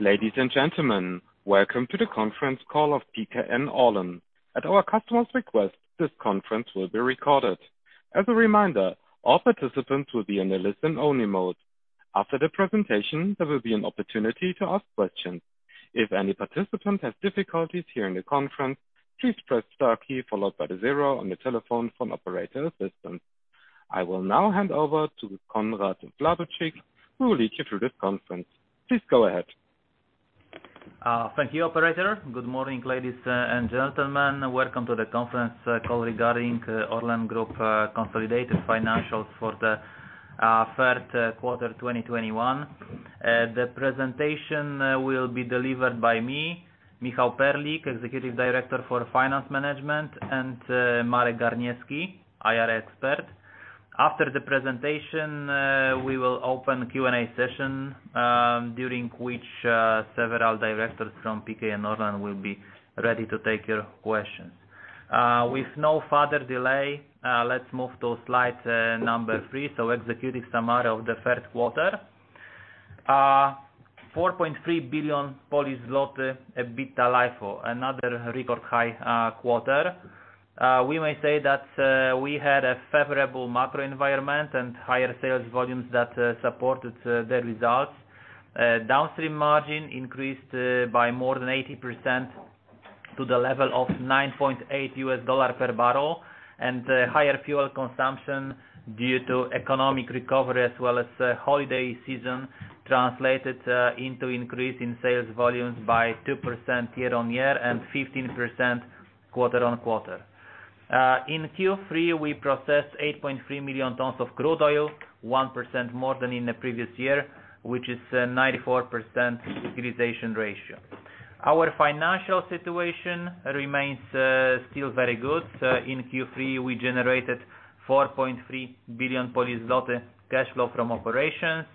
Ladies and gentlemen, welcome to the conference call of PKN Orlen. At our customer's request, this conference will be recorded. As a reminder, all participants will be in a listen-only mode. After the presentation, there will be an opportunity to ask questions. If any participant has difficulties hearing the conference, please press star key followed by the zero on your telephone for an operator assistant. I will now hand over to Konrad Włodarczyk, who will lead you through this conference. Please go ahead. Thank you, operator. Good morning, ladies and gentlemen. Welcome to the conference call regarding Orlen Group consolidated financials for the third quarter 2021. The presentation will be delivered by me, Michal Perlik, Executive Director for Finance Management, and Marek Garniewski, IR Expert. After the presentation, we will open Q&A session, during which several directors from PKN Orlen will be ready to take your questions. With no further delay, let's move to slide number three. Executive summary of the first quarter. 4.3 billion Polish zloty EBITDA LIFO for another record high quarter. We may say that we had a favorable macro environment and higher sales volumes that supported the results. Downstream margin increased by more than 80% to the level of $9.8/bbl. Higher fuel consumption due to economic recovery as well as the holiday season translated into an increase in sales volumes by 2% year-on-year and 15% quarter-on-quarter. In Q3, we processed 8.3 million tons of crude oil, 1% more than in the previous year, which is a 94% utilization ratio. Our financial situation remains still very good. In Q3, we generated 4.3 billion Polish zloty cash flow from operations.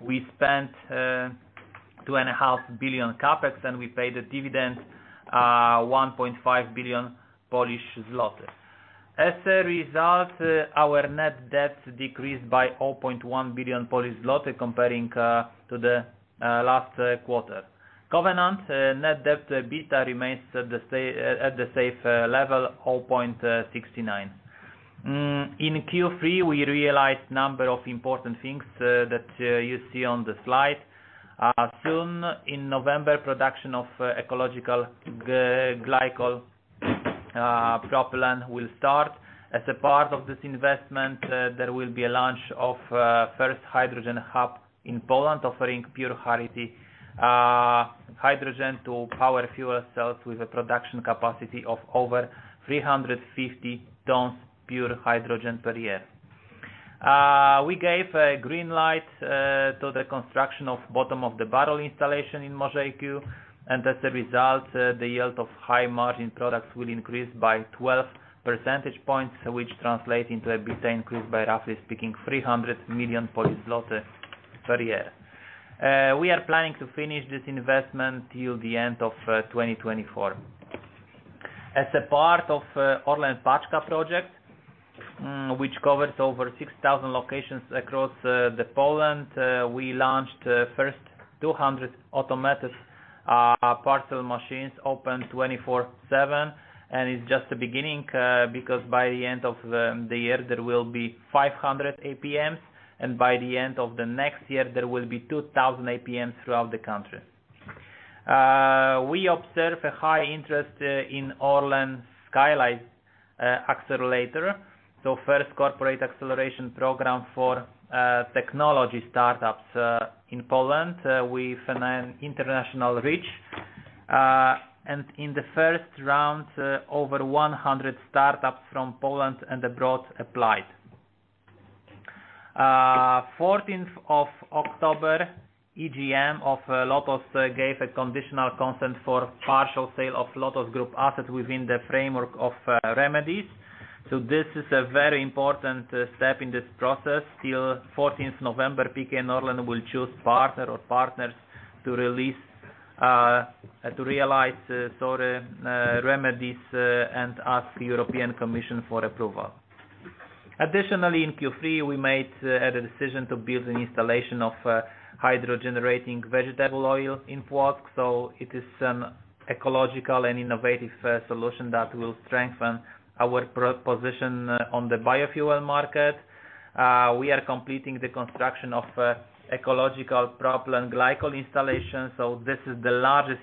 We spent 2.5 billion CapEx, and we paid a dividend of 1.5 billion Polish zloty. As a result, our net debt decreased by 0.1 billion Polish zloty comparing to the last quarter. Covenant net debt EBITDA remains at the safe level, 0.69. In Q3, we realized a number of important things that you see on the slide. Soon in November, production of ecological propylene glycol will start. As a part of this investment, there will be a launch of first hydrogen hub in Poland, offering pure high-purity hydrogen to power fuel cells with a production capacity of over 350 tons pure hydrogen per year. We gave a green light to the construction of bottom-of-the-barrel installation in Możejki, and as a result, the yield of high-margin products will increase by 12 percentage points, which translate into EBITDA increase by, roughly speaking, 300 million per year. We are planning to finish this investment till the end of 2024. As part of ORLEN Paczka project, which covers over 6,000 locations across Poland, we launched first 200 automated parcel machines open 24/7. It's just the beginning, because by the end of the year, there will be 500 APMs, and by the end of the next year, there will be 2,000 APMs throughout the country. We observe a high interest in ORLEN Skylight accelerator, the first corporate acceleration program for technology startups in Poland with an international reach. In the first round, over 100 startups from Poland and abroad applied. On October 14th, 2021 EGM of LOTOS gave a conditional consent for partial sale of LOTOS Group assets within the framework of remedies. This is a very important step in this process. Till November 14th, 2021 PKN Orlen will choose partner or partners to realize remedies and ask European Commission for approval. Additionally, in Q3, we made a decision to build an installation of hydro generating vegetable oil in Płock. It is an ecological and innovative solution that will strengthen our position on the biofuel market. We are completing the construction of ecological propylene glycol installation. This is the largest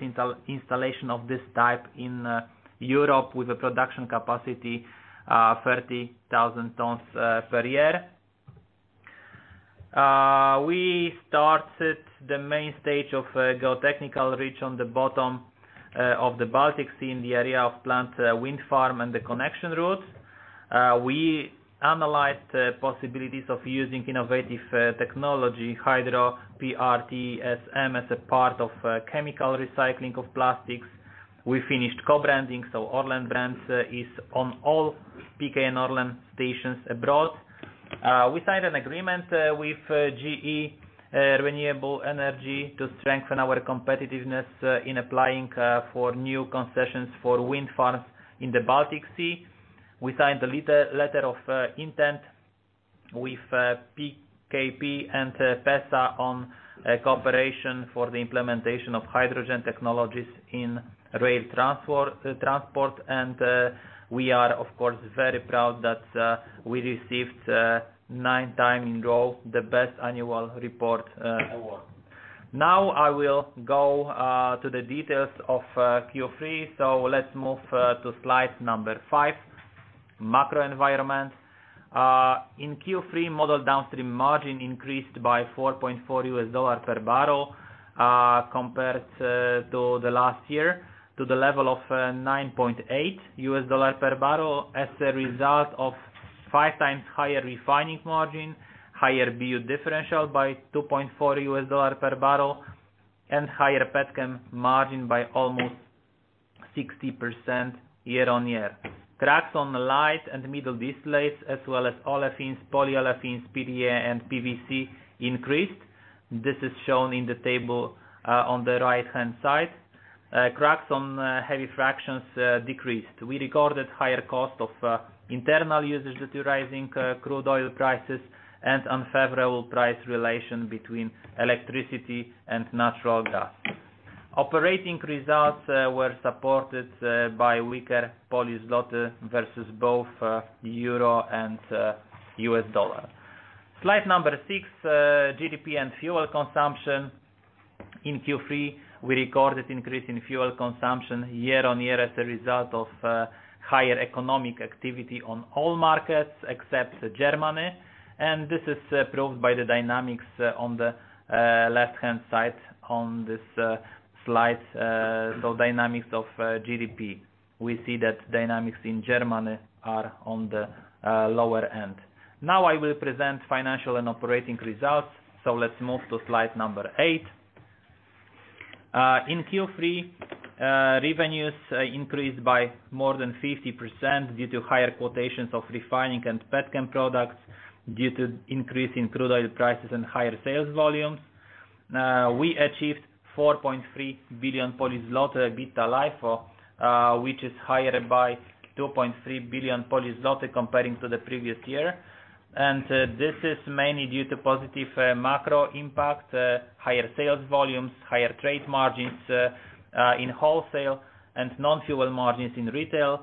installation of this type in Europe with a production capacity 30,000 tons per year. We started the main stage of geotechnical research on the bottom of the Baltic Sea in the area of planned wind farm and the connection routes. We analyzed the possibilities of using innovative technology, Hydro-PRTSM, as a part of chemical recycling of plastics. We finished co-branding, so Orlen brands is on all PKN Orlen stations abroad. We signed an agreement with GE Renewable Energy to strengthen our competitiveness in applying for new concessions for wind farms in the Baltic Sea. We signed a letter of intent with PKP and PESA on a cooperation for the implementation of hydrogen technologies in rail transport. We are of course very proud that we received nine times in a row the best annual report award. Now I will go to the details of Q3. Let's move to slide number five, macro environment. In Q3 model downstream margin increased by $4.4/bbl compared to the last year, to the level of $9.8/bbl, as a result of 5x higher Refining margin, higher BU differential by $2.4/bbl, and higher Petchem margin by almost 60% year-on-year. Cracks on the light and middle distillates as well as Olefins, polyOlefins, PTA and PVC increased. This is shown in the table on the right-hand side. Cracks on heavy fractions decreased. We recorded higher cost of internal fuels due to rising crude oil prices and unfavorable price relation between electricity and natural gas. Operating results were supported by weaker Polish zloty versus both euro and U.S. dollar. Slide number six, GDP and fuel consumption. In Q3, we recorded increase in fuel consumption year-on-year as a result of higher economic activity on all markets except Germany, and this is proved by the dynamics on the left-hand side on this slide. Dynamics of GDP. We see that dynamics in Germany are on the lower end. Now I will present financial and operating results. Let's move to slide eight. In Q3, revenues increased by more than 50% due to higher quotations of Refining and Petchem products due to increase in crude oil prices and higher sales volumes. We achieved 4.3 billion EBITDA LIFO, which is higher by 2.3 billion compared to the previous year. This is mainly due to positive macro impact, higher sales volumes, higher trade margins in wholesale and non-fuel margins in Retail,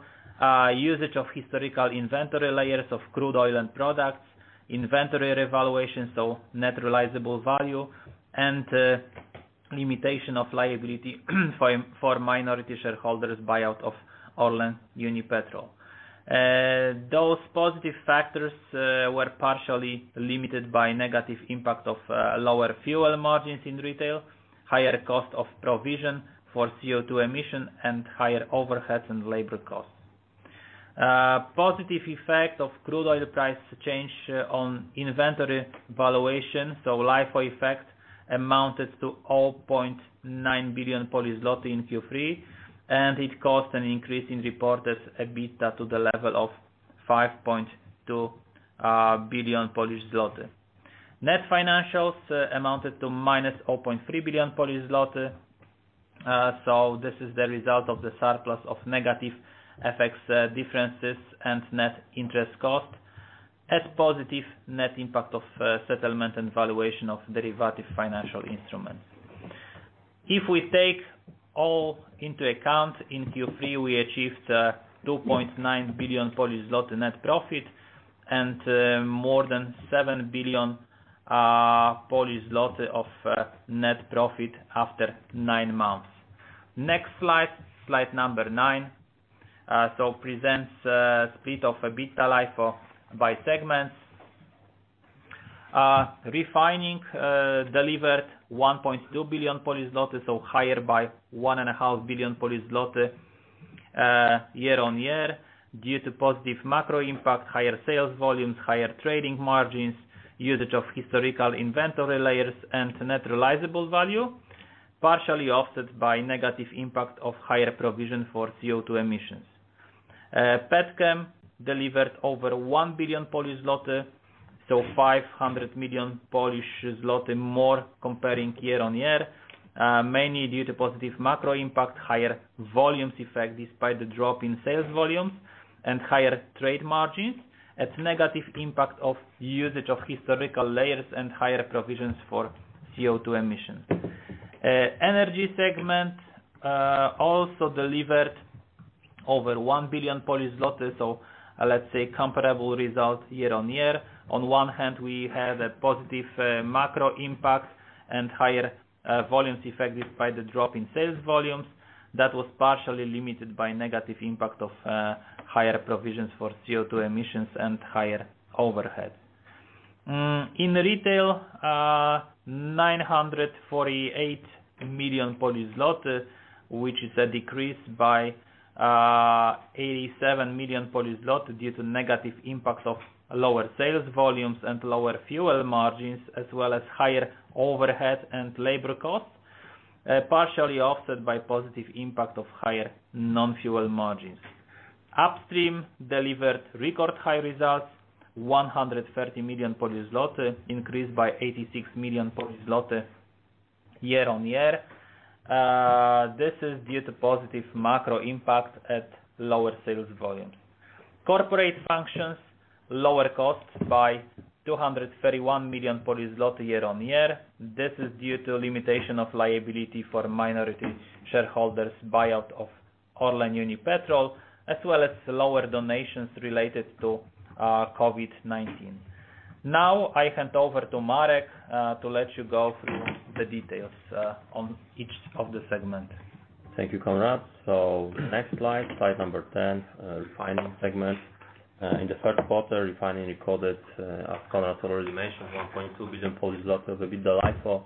usage of historical inventory layers of crude oil and products, inventory revaluation, so net realizable value and limitation of liability for minority shareholders buyout of ORLEN Unipetrol. Those positive factors were partially limited by negative impact of lower fuel margins in Retail, higher cost of provision for CO2 emission, and higher overheads and labor costs. Positive effect of crude oil price change on inventory valuation. LIFO effect amounted to 0.9 billion in Q3, and it caused an increase in reported EBITDA to the level of 5.2 billion Polish zloty. Net financials amounted to -0.3 billion Polish zloty. This is the result of the surplus of negative FX differences and net interest cost as positive net impact of settlement and valuation of derivative financial instruments. If we take all into account, in Q3, we achieved 2.9 billion Polish zloty net profit and more than 7 billion Polish zloty of net profit after nine months. Next slide. Slide number nine. Presents split of EBITDA LIFO by segments. Refining delivered 1.2 billion zloty, so higher by 1.5 billion zloty year-on-year due to positive macro impact, higher sales volumes, higher trading margins, usage of historical inventory layers and net realizable value, partially offset by negative impact of higher provision for CO2 emissions. Petchem delivered over 1 billion Polish zloty, so 500 million Polish zloty more year-on-year, mainly due to positive macro impact, higher volumes effect despite the drop in sales volumes and higher trade margins, as negative impact of usage of historical layers and higher provisions for CO2 emissions. Energy segment also delivered over 1 billion Polish zloty. Let's say comparable results year-on-year. On one hand, we had a positive macro impact and higher volumes effect despite the drop in sales volumes, that was partially limited by negative impact of higher provisions for CO2 emissions and higher overhead. In Retail, 948 million Polish zloty, which is a decrease by 87 million Polish zloty due to negative impacts of lower sales volumes and lower fuel margins, as well as higher overhead and labor costs, partially offset by positive impact of higher non-fuel margins. Upstream delivered record high results, 130 million zloty, increased by 86 million zloty year-on-year. This is due to positive macro impact at lower sales volume. Corporate Functions lower costs by 231 million Polish zloty year on year. This is due to limitation of liability for minority shareholders, buyout of ORLEN Unipetrol, as well as lower donations related to COVID-19. Now I hand over to Marek to let you go through the details on each of the segment. Thank you, Konrad. Next slide number 10, Refining segment. In the third quarter, Refining recorded, as Konrad already mentioned, 1.2 billion Polish zloty of EBITDA LIFO,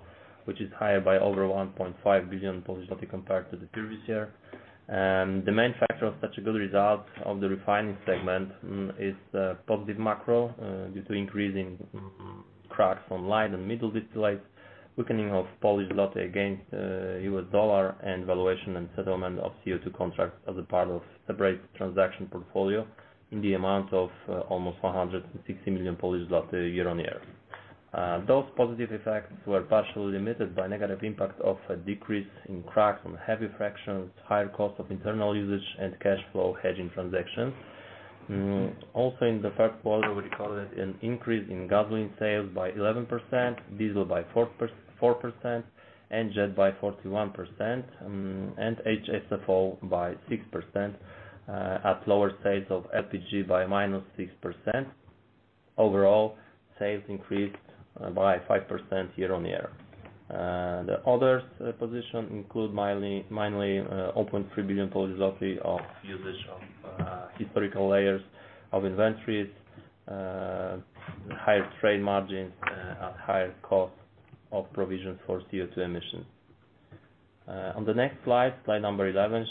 which is higher by over 1.5 billion Polish zloty compared to the previous year. The main factor of such a good result of the Refining segment is positive macro due to increasing cracks from light and middle distillates, weakening of Polish zloty against U.S. Dollar, and valuation and settlement of CO2 contracts as a part of separate transaction portfolio in the amount of almost 160 million Polish zloty year-on-year. Those positive effects were partially limited by negative impact of a decrease in cracks on heavy fractions, higher cost of internal usage, and cash flow hedging transactions. Also in the first quarter, we recorded an increase in gasoline sales by 11%, diesel by 4%, and JET by 41%, and HSFO by 6%, at lower sales of LPG by -6%. Overall, sales increased by 5% year-on-year. The others position include mainly over 3 billion of usage of historical layers of inventories, higher trade margins, and higher cost of provision for CO2 emissions. On the next slide number 11,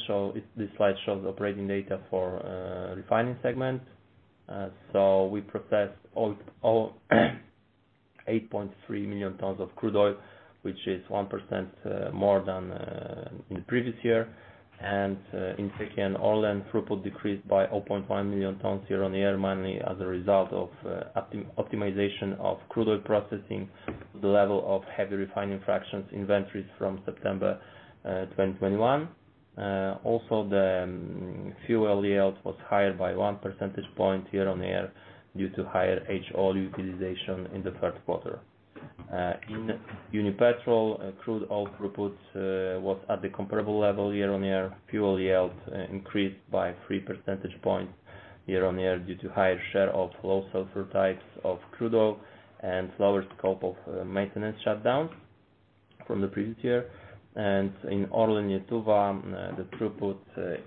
this slide shows operating data for Refining segment. So we processed all 8.3 million tons of crude oil, which is 1% more than in the previous year. In PKN Orlen throughput decreased by 0.1 million tons year-on-year, mainly as a result of optimization of crude oil processing, the level of heavy refining fractions inventories from September 2021. Also the fuel yields was higher by 1 percentage point year-on-year due to higher HC utilization in the third quarter. In Unipetrol, crude oil throughput was at the comparable level year-on-year. Fuel yields increased by 3 percentage points year-on-year due to higher share of low sulfur types of crude oil and lower scope of maintenance shutdowns from the previous year. In ORLEN Lietuva, the throughput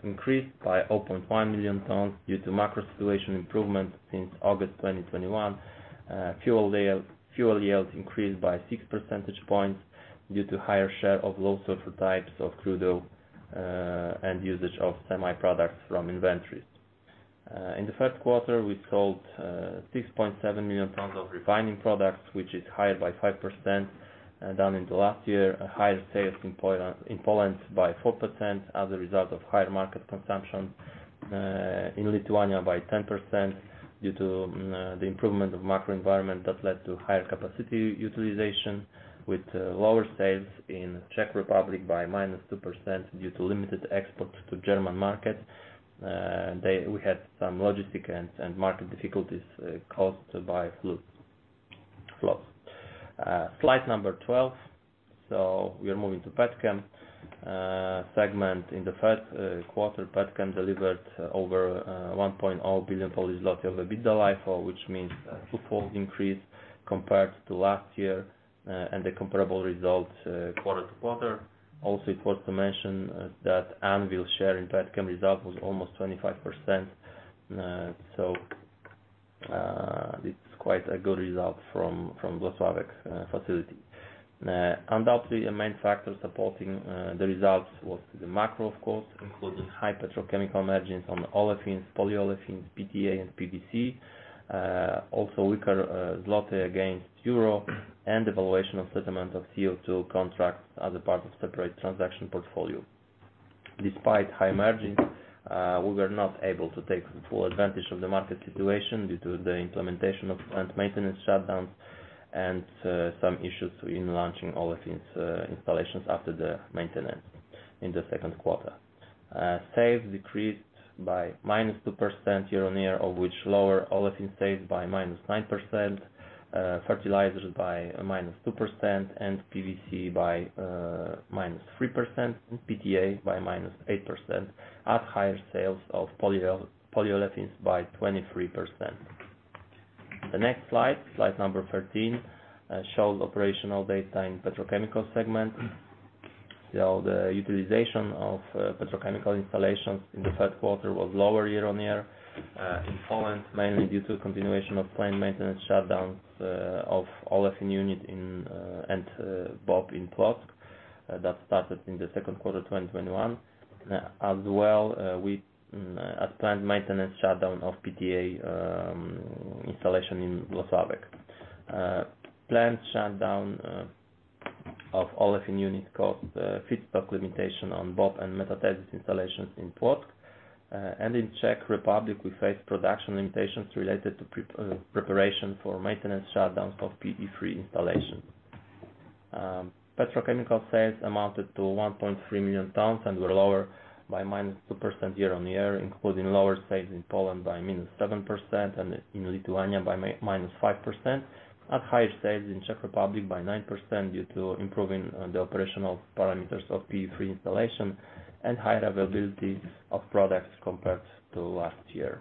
increased by 0.1 million tons due to macro situation improvement since August 2021. Fuel yields increased by 6 percentage points due to higher share of low sulfur types of crude oil and usage of semi-products from inventories. In the first quarter, we sold 6.7 million tons of refining products, which is higher by 5% than in the last year. Higher sales in Poland by 4% as a result of higher market consumption. Higher sales in Lithuania by 10% due to the improvement of macro environment that led to higher capacity utilization, with lower sales in Czech Republic by -2% due to limited exports to German market. We had some logistic and market difficulties caused by floods. Slide number 12. We are moving to Petchem. Petchem segment in the first quarter delivered over 1.0 billion of EBITDA LIFO, which means a twofold increase compared to last year and a comparable result quarter-over-quarter. Also important to mention that Anwil share in Petchem result was almost 25%. It's quite a good result from Włocławek facility. Undoubtedly, a main factor supporting the results was the macro, of course, including high Petrochemical margins on Olefins, polyOlefins, PTA, and PVC, also weaker zloty against euro and evaluation of settlement of CO2 contracts as a part of separate transaction portfolio. Despite high margins, we were not able to take full advantage of the market situation due to the implementation of plant maintenance shutdowns and some issues in launching Olefins installations after the maintenance in the second quarter. Sales decreased by -2% year on year, of which lower Olefins sales by -9%, fertilizers by -2%, and PVC by -3%, and PTA by -8%, at higher sales of polyOlefins by 23%. The next slide number 13, shows operational data in the Petrochemical segment. The utilization of petrochemical installations in the third quarter was lower year on year in Poland, mainly due to continuation of planned maintenance shutdowns of Olefin unit and BOP in Płock that started in the second quarter of 2021, as well with a planned maintenance shutdown of PTA installation in Włocławek. Planned shutdown of Olefin unit caused feedstock limitation on BOP and metathesis installations in Płock. In Czech Republic, we face production limitations related to preparation for maintenance shutdowns of PE3 installation. Petrochemical sales amounted to 1.3 million tons and were lower by -2% year-on-year, including lower sales in Poland by -7% and in Lithuania by -5%. At higher sales in Czech Republic by 9% due to improving the operational parameters of PE3 installation and higher availability of products compared to last year.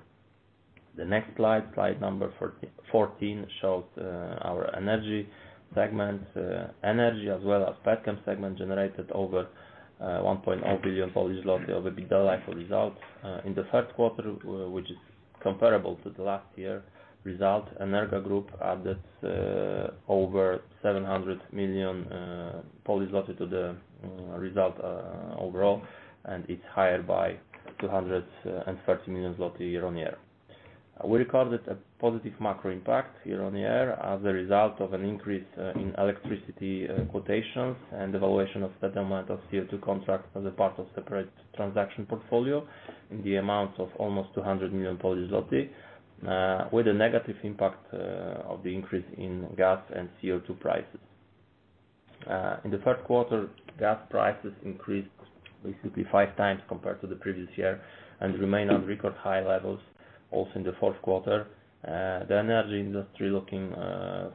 The next slide number 14, shows our Energy segment. Energy as well as Petchem segment generated over 1.0 billion PLN of EBITDA for results. In the third quarter, which is comparable to the last year result, Energa Group added over 700 million to the result overall, and it's higher by 230 million zloty year-on-year. We recorded a positive macro impact year-on-year as a result of an increase in electricity quotations and evaluation of settlement of CO2 contracts as a part of separate transaction portfolio in the amounts of almost 200 million Polish zloty, with a negative impact of the increase in gas and CO2 prices. In the third quarter, gas prices increased basically 5x compared to the previous year and remain on record high levels also in the fourth quarter. The energy industry looking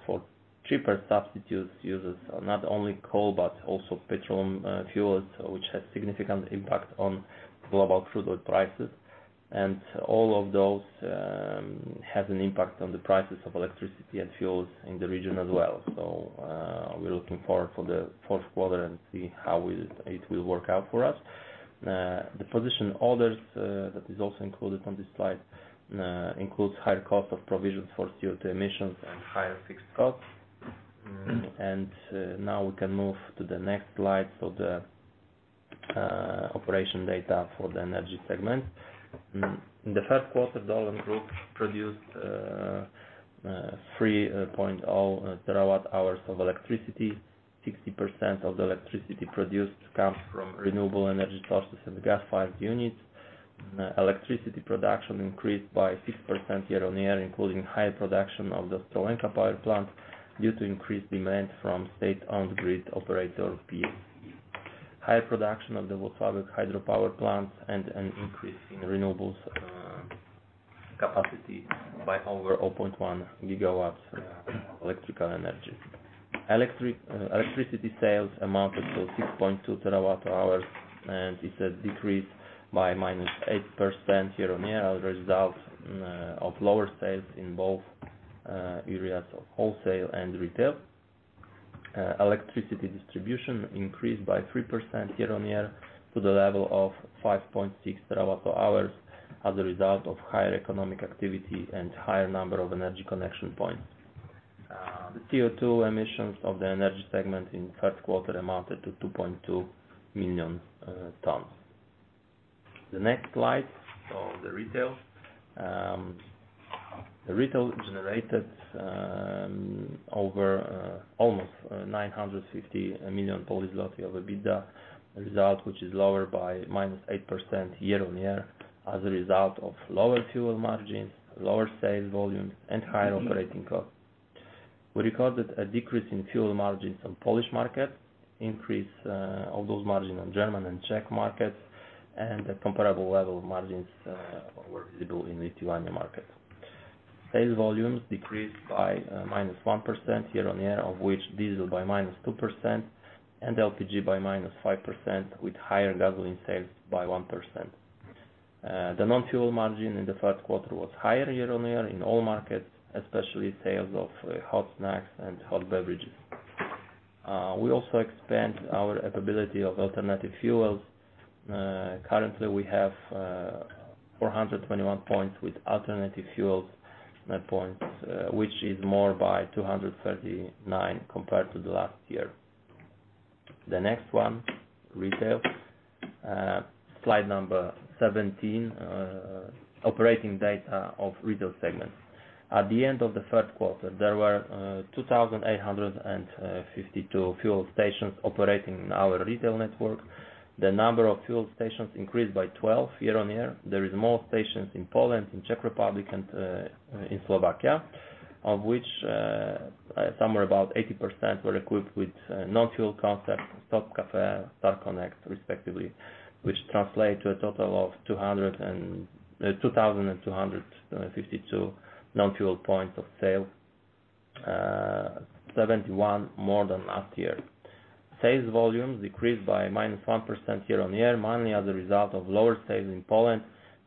for cheaper substitutes uses not only coal but also petroleum fuels, which has significant impact on global crude oil prices. All of those has an impact on the prices of electricity and fuels in the region as well. We're looking forward for the fourth quarter and see how it will work out for us. The provisions that is also included on this slide includes higher cost of provisions for CO2 emissions and higher fixed costs. Now we can move to the next slide. The operational data for the Energy segment. In the first quarter, Orlen Group produced 3.0 TWh of electricity. 60% of the electricity produced comes from renewable energy sources and gas-fired units. Electricity production increased by 6% year-on-year, including higher production of the Ostrołęka power plant due to increased demand from state-owned grid operator PSE. Higher production of the Włocławek hydropower plant and an increase in renewables capacity by over 0.1 GW electrical energy. Electricity sales amounted to 6.2 TWh, and it has decreased by -8% year-on-year as a result of lower sales in both areas of wholesale and retail. Electricity distribution increased by 3% year-on-year to the level of 5.6 TWh as a result of higher economic activity and higher number of energy connection points. The CO2 emissions of the Energy segment in third quarter amounted to 2.2 million tons. The next slide of the Retail. The Retail generated over almost 950 million Polish zloty of EBITDA result, which is lower by -8% year-on-year as a result of lower fuel margins, lower sales volume, and higher operating costs. We recorded a decrease in fuel margins on Polish market, increase of those margin on German and Czech markets, and a comparable level of margins were visible in Lithuania market. Sales volumes decreased by -1% year-on-year, of which diesel by -2% and LPG by -5% with higher gasoline sales by 1%. The non-fuel margin in the third quarter was higher year-on-year in all markets, especially sales of hot snacks and hot beverages. We also expand our capability of alternative fuels. Currently, we have 421 points with alternative fuels, which is more by 239 compared to the last year. The next one, Retail. Slide number 17. Operating data of Retail segment. At the end of the third quarter, there were 2,852 fuel stations operating in our retail network. The number of fuel stations increased by 12 year-on-year. There is more stations in Poland, in Czech Republic, and in Slovakia, of which somewhere about 80% were equipped with non-fuel concepts, Stop Cafe, Star Connect, respectively, which translate to a total of 2,252 non-fuel points of sale, 71 more than last year. Sales volumes decreased by -1% year-on-year, mainly as a result of lower sales in Poland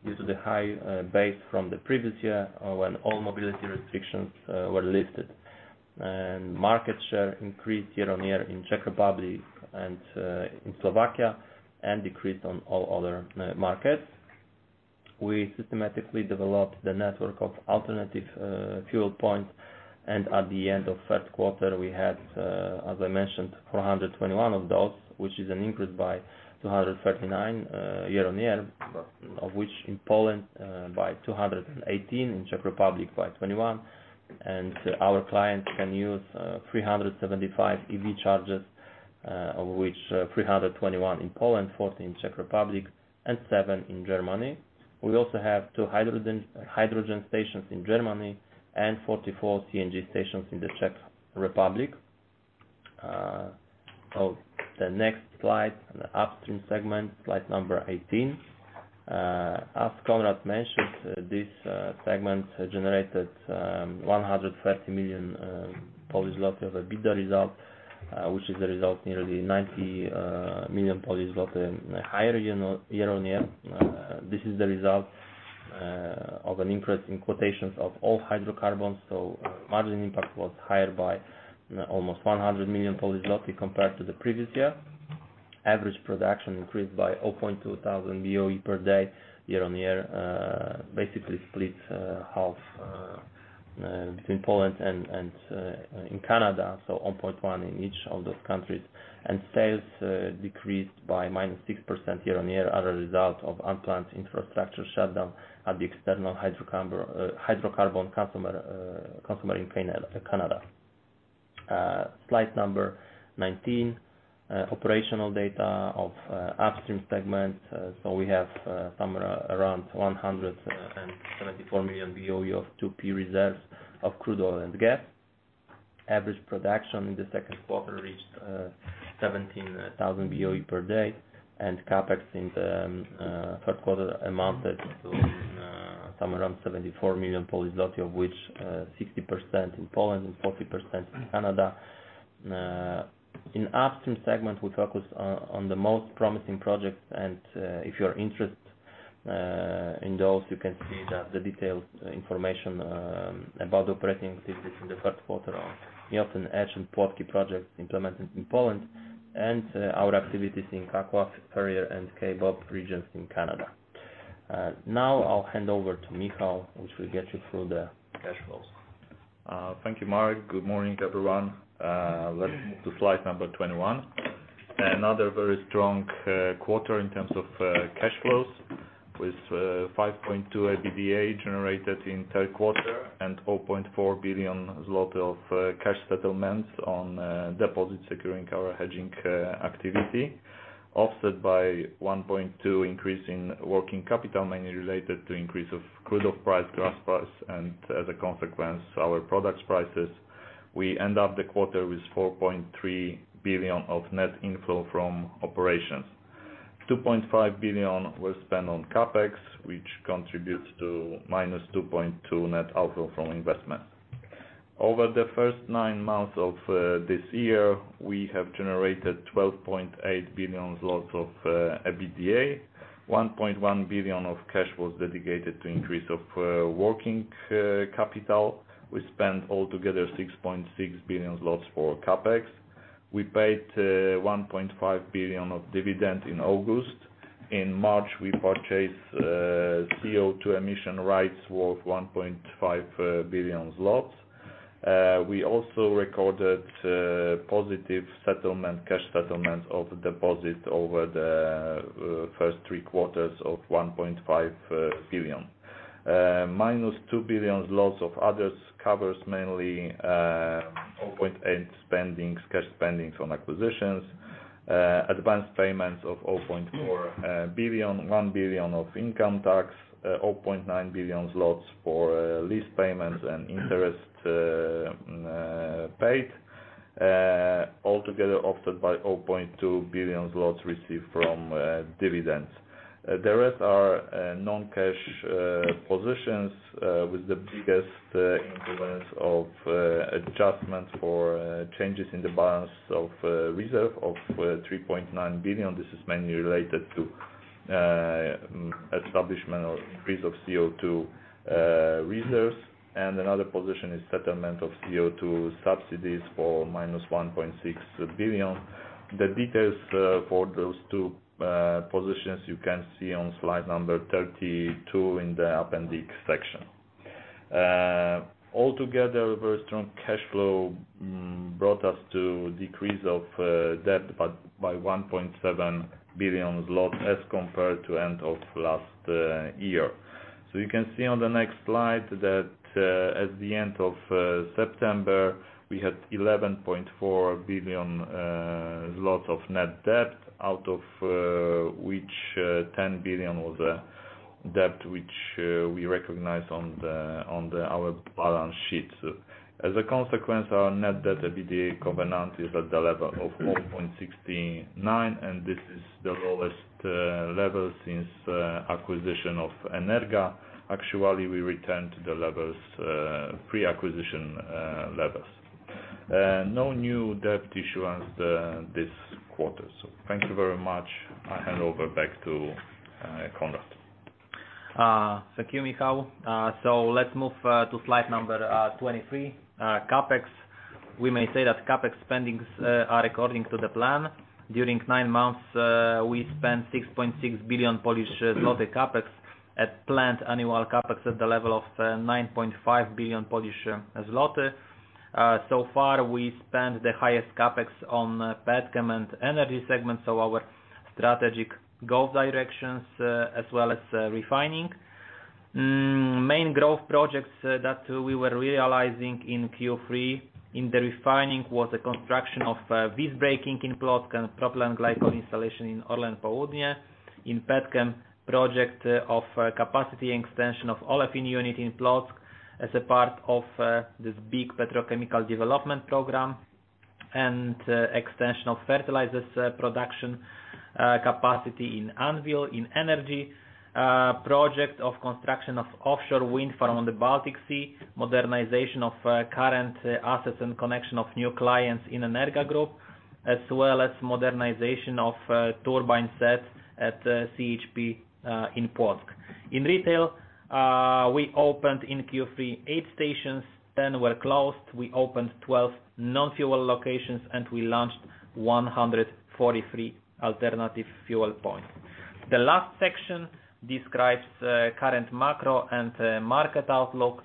due to the high base from the previous year, when all mobility restrictions were lifted. Market share increased year-on-year in Czech Republic and in Slovakia and decreased on all other markets. We systematically developed the network of alternative fuel points, and at the end of third quarter, we had, as I mentioned, 421 of those, which is an increase by 239 year-on-year, of which in Poland by 218, in Czech Republic by 21. Our clients can use 375 EV chargers, of which 321 in Poland, 14 Czech Republic, and seven in Germany. We also have two hydrogen stations in Germany and 44 CNG stations in the Czech Republic. Of the next slide, the Upstream segment, slide number 18. As Konrad mentioned, this segment generated 130 million of EBITDA result, which is the result nearly 90 million higher year-on-year. This is the result of an increase in quotations of all hydrocarbons. Margin impact was higher by almost 100 million Polish zloty compared to the previous year. Average production increased by 200 BOE per day year-on-year. Basically split half between Poland and Canada, 0.1 in each of those countries. Sales decreased by -6% year-on-year as a result of unplanned infrastructure shutdown at the external hydrocarbon customer in Canada. Slide number 19, operational data of Upstream segment. We have somewhere around 174 million BOE of 2P reserves of crude oil and gas. Average production in the second quarter reached 17,000 BOE per day, and CapEx in the third quarter amounted to somewhere around 74 million Polish zloty of which 60% in Poland and 40% in Canada. In Upstream segment, we focus on the most promising projects and if you are interested in those you can see the detailed information about operating activities in the first quarter on Miocen, Edge and Płotki project implemented in Poland and our activities in Kakwa, Ferrier and Kaybob regions in Canada. Now I'll hand over to Michal, which will get you through the cash flows. Thank you, Marek. Good morning, everyone. Let's move to slide number 21. Another very strong quarter in terms of cash flows with 5.2 billion EBITDA generated in third quarter and 4.4 billion zloty of cash settlements on deposits securing our hedging activity, offset by 1.2 billion increase in working capital, mainly related to increase of crude oil prices to us, and as a consequence, our products prices. We end up the quarter with 4.3 billion of net inflow from operations. 2.5 billion was spent on CapEx, which contributes to -2.2 billion net outflow from investment. Over the first nine months of this year, we have generated 12.8 billion of EBITDA. 1.1 billion of cash was dedicated to increase of working capital. We spent altogether 6.6 billion zlotys for CapEx. We paid 1.5 billion of dividend in August. In March, we purchased CO2 emission rights worth 1.5 billion zlotys. We also recorded positive settlement, cash settlement of deposit over the first three quarters of 1.5 billion. Minus 2 billion of others covers mainly 0.8 billion spendings, cash spendings on acquisitions, advanced payments of 0.4 billion, 1 billion of income tax, 0.9 billion zlotys for lease payments and interest paid, all together offset by 0.2 billion zlotys received from dividends. The rest are non-cash positions with the biggest influence of adjustments for changes in the balance of reserve of 3.9 billion. This is mainly related to establishment of increase of CO2 reserves. Another position is settlement of CO2 subsidies for -1.6 billion. The details for those two positions you can see on slide number 32 in the appendix section. Altogether, very strong cash flow brought us to decrease of debt by 1.7 billion as compared to end of last year. You can see on the next slide that, at the end of September, we had 11.4 billion of net debt, out of which 10 billion was debt which we recognized on our balance sheet. As a consequence, our net debt EBITDA covenant is at the level of 4.69, and this is the lowest level since acquisition of Energa. Actually, we returned to the levels pre-acquisition levels. No new debt issuance this quarter. Thank you very much. I hand over back to Konrad. Thank you, Michal. Let's move to slide number 23. CapEx. We may say that CapEx spendings are according to the plan. During nine months, we spent 6.6 billion Polish zloty CapEx at planned annual CapEx at the level of 9.5 billion Polish zloty. So far, we spent the highest CapEx on PKN and Energy segments of our strategic goal directions, as well as Refining. Main growth projects that we were realizing in Q3 in the Refining was the construction of visbreaking in Płock and propylene glycol installation in ORLEN Południe. In Petchem, project of capacity extension of Olefin unit in Płock as a part of this big petrochemical development program, and expansion of fertilizers production capacity in Anwil. In Energy, project of construction of offshore wind farm on the Baltic Sea, modernization of current assets and connection of new clients in Energa Group, as well as modernization of turbine sets at CHP in Płock. In Retail, we opened in Q3 eight stations, 10 were closed, we opened 12 non-fuel locations, and we launched 143 alternative fuel points. The last section describes current macro and market outlook.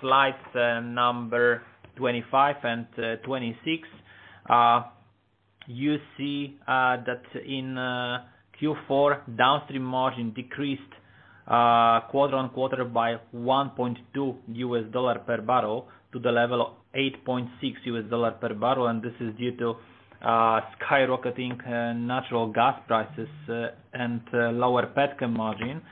Slides number 25 and 26. You see that in Q4, downstream margin decreased quarter-on-quarter by $1.2/bbl to the level of $8.6/bbl, and this is due to skyrocketing natural gas prices and lower Petchem margin,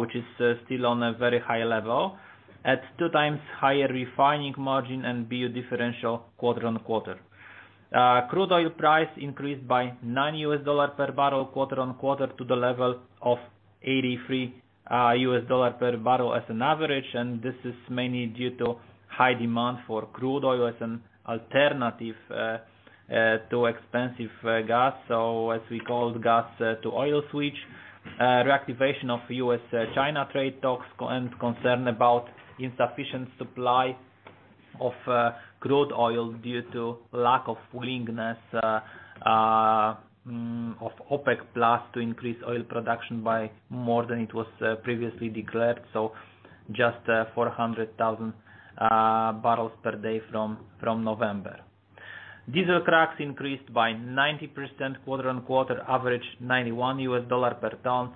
which is still on a very high level. It's two times higher Refining margin and Brent-Urals differential quarter-on-quarter. Crude oil price increased by $9/bbl quarter-on-quarter to the level of $83/bbl as an average. This is mainly due to high demand for crude oil as an alternative to expensive gas. As we call gas-to-oil switch. Reactivation of U.S.-China trade talks concerned about insufficient supply of crude oil due to lack of willingness of OPEC+ to increase oil production by more than it was previously declared. Just 400,000 barrels per day from November. Diesel cracks increased by 90% quarter-on-quarter, average $91/ton.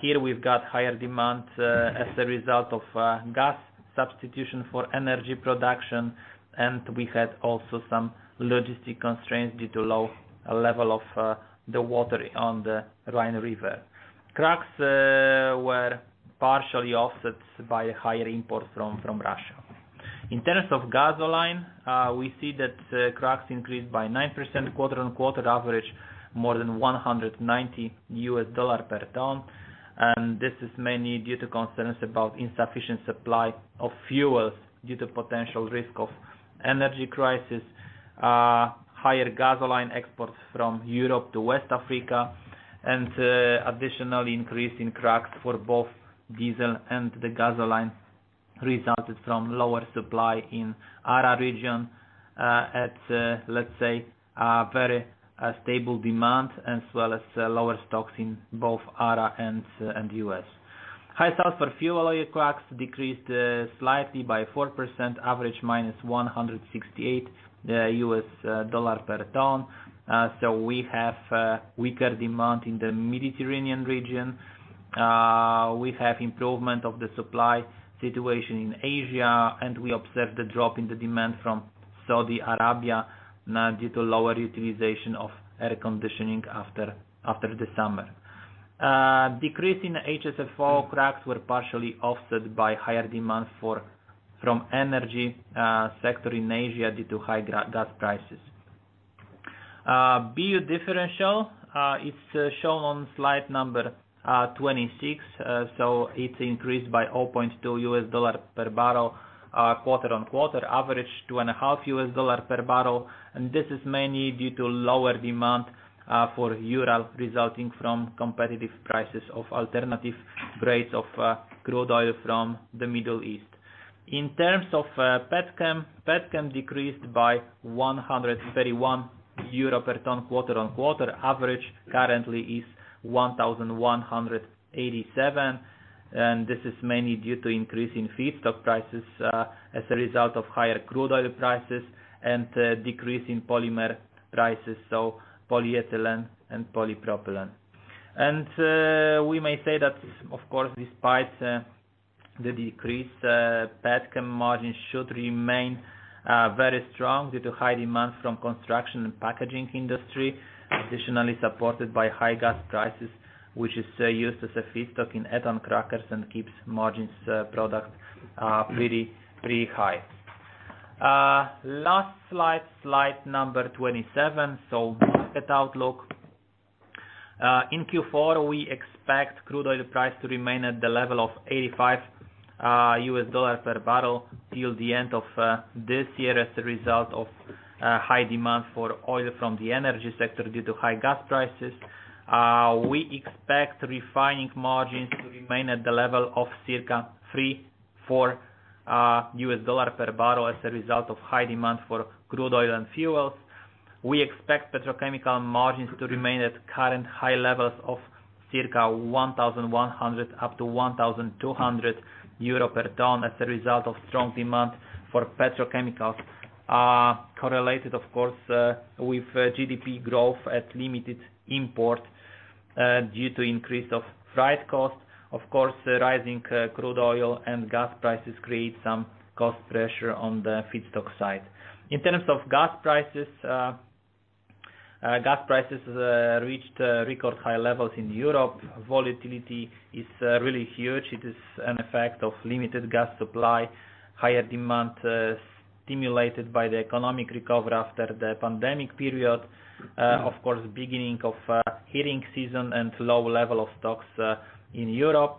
Here we've got higher demand as a result of gas substitution for energy production, and we had also some logistic constraints due to low level of the water on the Rhine River. Cracks were partially offset by higher imports from Russia. In terms of gasoline, we see that cracks increased by 9% quarter-on-quarter, average more than $190 per ton. This is mainly due to concerns about insufficient supply of fuels due to potential risk of energy crisis, higher gasoline exports from Europe to West Africa, and additional increase in cracks for both diesel and the gasoline resulted from lower supply in ARA region, let's say a very stable demand as well as lower stocks in both ARA and U.S. High sulfur fuel oil cracks decreased slightly by 4%, average -$168/ton. We have weaker demand in the Mediterranean region. We have improvement of the supply situation in Asia, and we observed the drop in the demand from Saudi Arabia due to lower utilization of air conditioning after the summer. Decrease in HSFO cracks were partially offset by higher demand for... From energy sector in Asia due to high gas prices. Brent-Urals differential, it's shown on slide number 26. It's increased by $0.2/bbl quarter-on-quarter, average $2.5/bbl. This is mainly due to lower demand for Urals resulting from competitive prices of alternative grades of crude oil from the Middle East. In terms of Petchem decreased by 131 euro/ton quarter-on-quarter. Average currently is 1,187, and this is mainly due to increase in feedstock prices as a result of higher crude oil prices and a decrease in polymer prices, so polyethylene and polypropylene. We may say that of course despite the decrease Petchem margin should remain very strong due to high demand from construction and packaging industry, additionally supported by high gas prices, which is used as a feedstock in ethene crackers and keeps margins product pretty high. Last slide number 27. Market outlook. In Q4, we expect crude oil price to remain at the level of $85/bbl till the end of this year as a result of high demand for oil from the energy sector due to high gas prices. We expect Refining margins to remain at the level of circa $3/bbl-$4/bbl as a result of high demand for crude oil and fuels. We expect Petrochemical margins to remain at current high levels of circa 1,100-1,200 euro per ton as a result of strong demand for petrochemicals, are correlated, of course, with GDP growth and limited imports due to increase of freight cost. Of course, rising crude oil and gas prices create some cost pressure on the feedstock side. In terms of gas prices, gas prices reached record high levels in Europe. Volatility is really huge. It is an effect of limited gas supply, higher demand stimulated by the economic recovery after the pandemic period, of course, beginning of heating season and low level of stocks in Europe.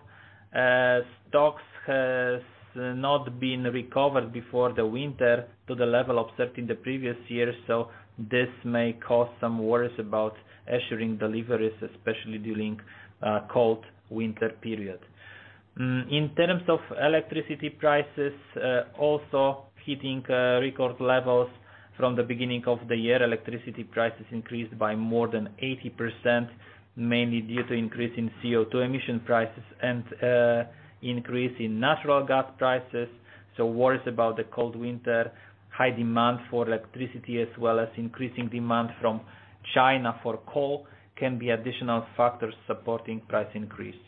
Stocks has not been recovered before the winter to the level observed in the previous years, so this may cause some worries about assuring deliveries, especially during cold winter period. In terms of electricity prices, also hitting record levels from the beginning of the year. Electricity prices increased by more than 80%, mainly due to increase in CO2 emission prices and increase in natural gas prices. Worries about the cold winter, high demand for electricity, as well as increasing demand from China for coal can be additional factors supporting price increase.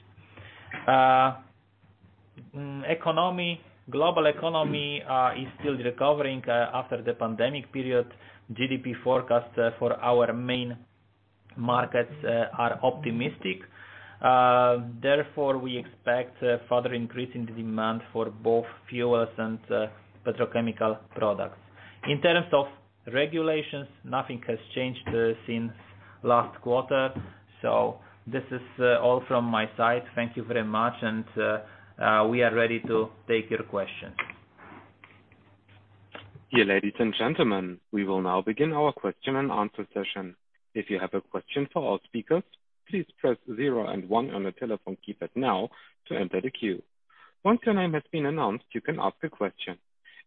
Global economy is still recovering after the pandemic period. GDP forecast for our main markets are optimistic. Therefore, we expect a further increase in the demand for both fuels and petrochemical products. In terms of regulations, nothing has changed since last quarter. This is all from my side. Thank you very much. We are ready to take your questions. Dear ladies and gentlemen, we will now begin our question and answer session. If you have a question for our speakers, please press zero and one on your telephone keypad now to enter the queue. Once your name has been announced, you can ask a question.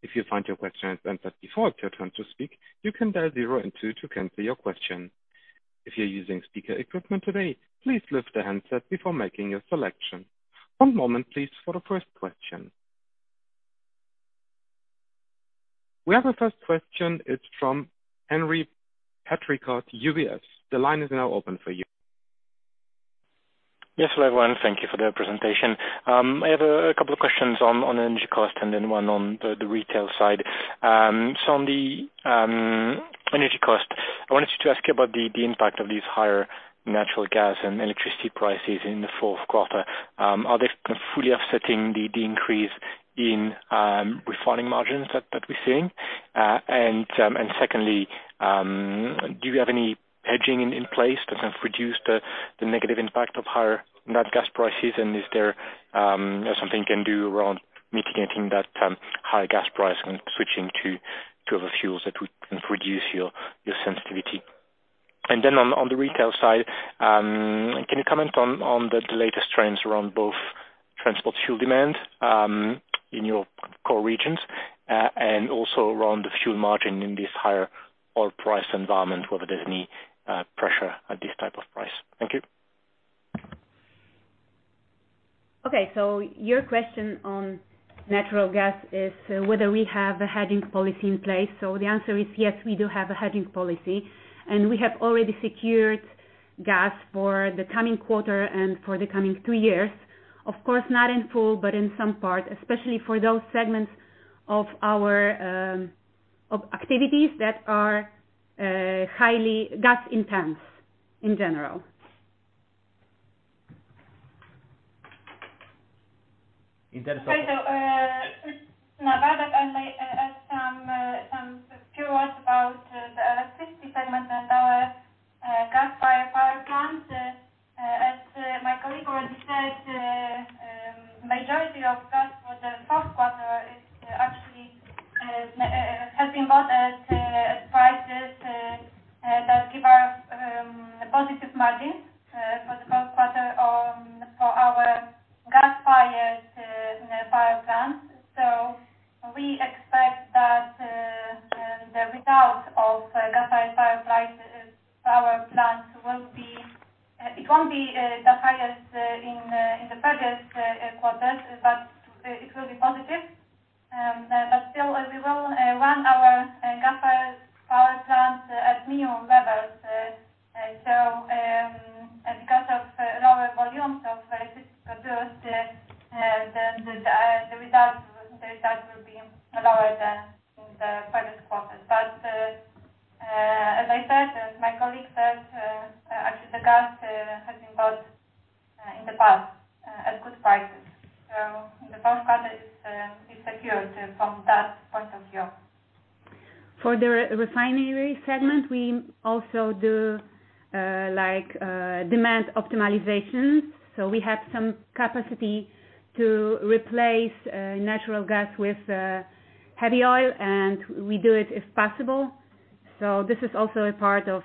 If you find your question has been answered before it's your turn to speak, you can dial zero and two to cancel your question. If you're using speaker equipment today, please lift the handset before making your selection. One moment, please, for the first question. We have a first question. It's from Henri Patricot at UBS. The line is now open for you. Yes, hello, everyone. Thank you for the presentation. I have a couple of questions on energy cost and then one on the Retail side. On the energy cost, I wanted to ask you about the impact of these higher natural gas and electricity prices in the fourth quarter. Are they kind of fully offsetting the increase in Refining margins that we're seeing? And secondly, do you have any hedging in place to kind of reduce the negative impact of higher natural gas prices? And is there something you can do around mitigating that higher gas price when switching to other fuels that would kind of reduce your sensitivity? On the Retail side, can you comment on the latest trends around both transport fuel demand in your core regions, and also around the fuel margin in this higher oil price environment, whether there's any pressure at this type of price? Thank you. Okay. Your question on natural gas is whether we have a hedging policy in place. The answer is yes, we do have a hedging policy, and we have already secured gas for the coming quarter and for the coming two years. Of course, not in full, but in some part, especially for those segments of our activities that are highly gas intense in general. In terms of- Okay, now I may add some few words about the electricity segment and our gas-fired power plant. As my colleague already said, majority of gas for the fourth quarter is actually helping us as prices that give us a positive margin for the fourth quarter for our gas-fired power plant. We expect that the result of gas-fired power plant will be. It won't be the highest in the previous quarters, but it will be positive. Still, we will run our gas-fired power plant at minimum levels. Because of lower volumes of electricity produced, then the results will be lower than in the previous quarters. As I said, as my colleague said, actually the gas has been bought in the past at good prices. The fourth quarter is secured from that point of view. For the Refining segment, we also do like demand optimization. We have some capacity to replace natural gas with heavy oil, and we do it if possible. This is also a part of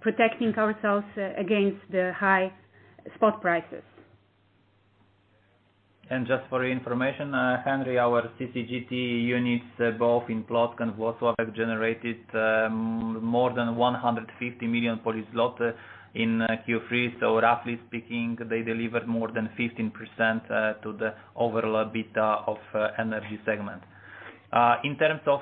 protecting ourselves against the high spot prices. Just for your information, Henri, our CCGT units, both in Płock and Wrocław, have generated more than 150 million Polish zloty in Q3. Roughly speaking, they delivered more than 15% to the overall EBITDA of Energy segment. In terms of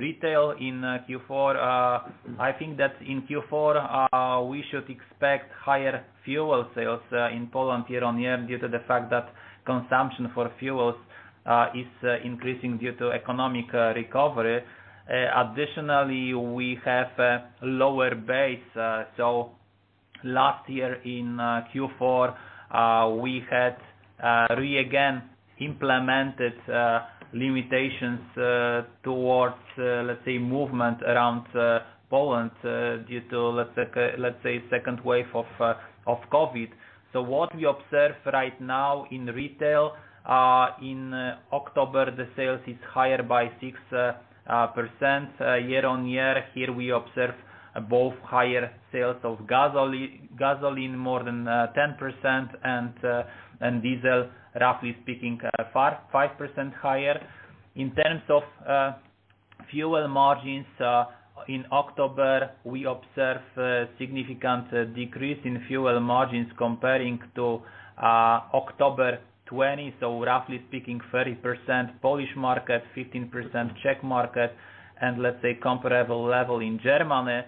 Retail in Q4, I think that in Q4, we should expect higher fuel sales in Poland year-on-year due to the fact that consumption for fuels is increasing due to economic recovery. Additionally, we have a lower base. Last year in Q4, we had again implemented limitations towards, let's say, movement around Poland due to let's say second wave of COVID. What we observe right now in Retail in October, the sales is higher by 6% year-on-year. Here we observe both higher sales of gasoline more than 10% and diesel, roughly speaking, 5% higher. In terms of fuel margins in October, we observe a significant decrease in fuel margins comparing to October 2020, so roughly speaking, 30% Polish market, 15% Czech market, and let's say comparable level in Germany.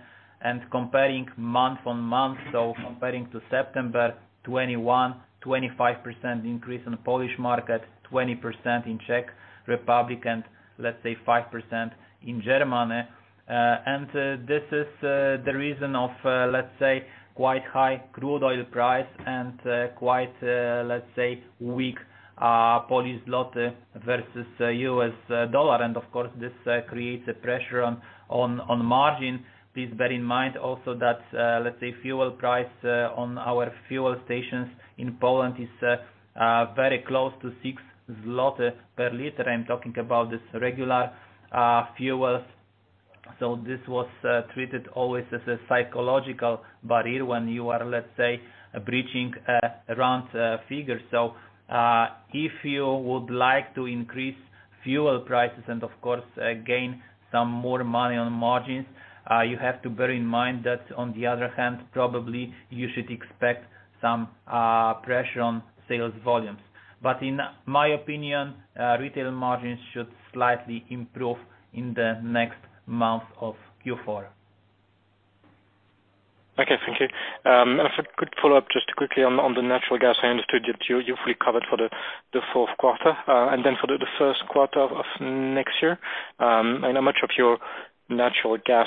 Comparing month-on-month to September 2021, 25% increase in the Polish market, 20% in Czech Republic, and let's say 5% in Germany. This is the reason of quite high crude oil price and quite weak Polish zloty versus US. Dollar. Of course, this creates a pressure on margin. Please bear in mind also that, let's say fuel price on our fuel stations in Poland is very close to 6 zloty/L. I'm talking about this regular fuels. This was treated always as a psychological barrier when you are, let's say, breaching around figures. If you would like to increase fuel prices and of course, gain some more money on margins, you have to bear in mind that on the other hand, probably you should expect some pressure on sales volumes. In my opinion, Retail margins should slightly improve in the next month of Q4. Okay, thank you. Also a quick follow-up just quickly on the natural gas. I understood that you've recovered for the fourth quarter. For the first quarter of next year, I know much of your natural gas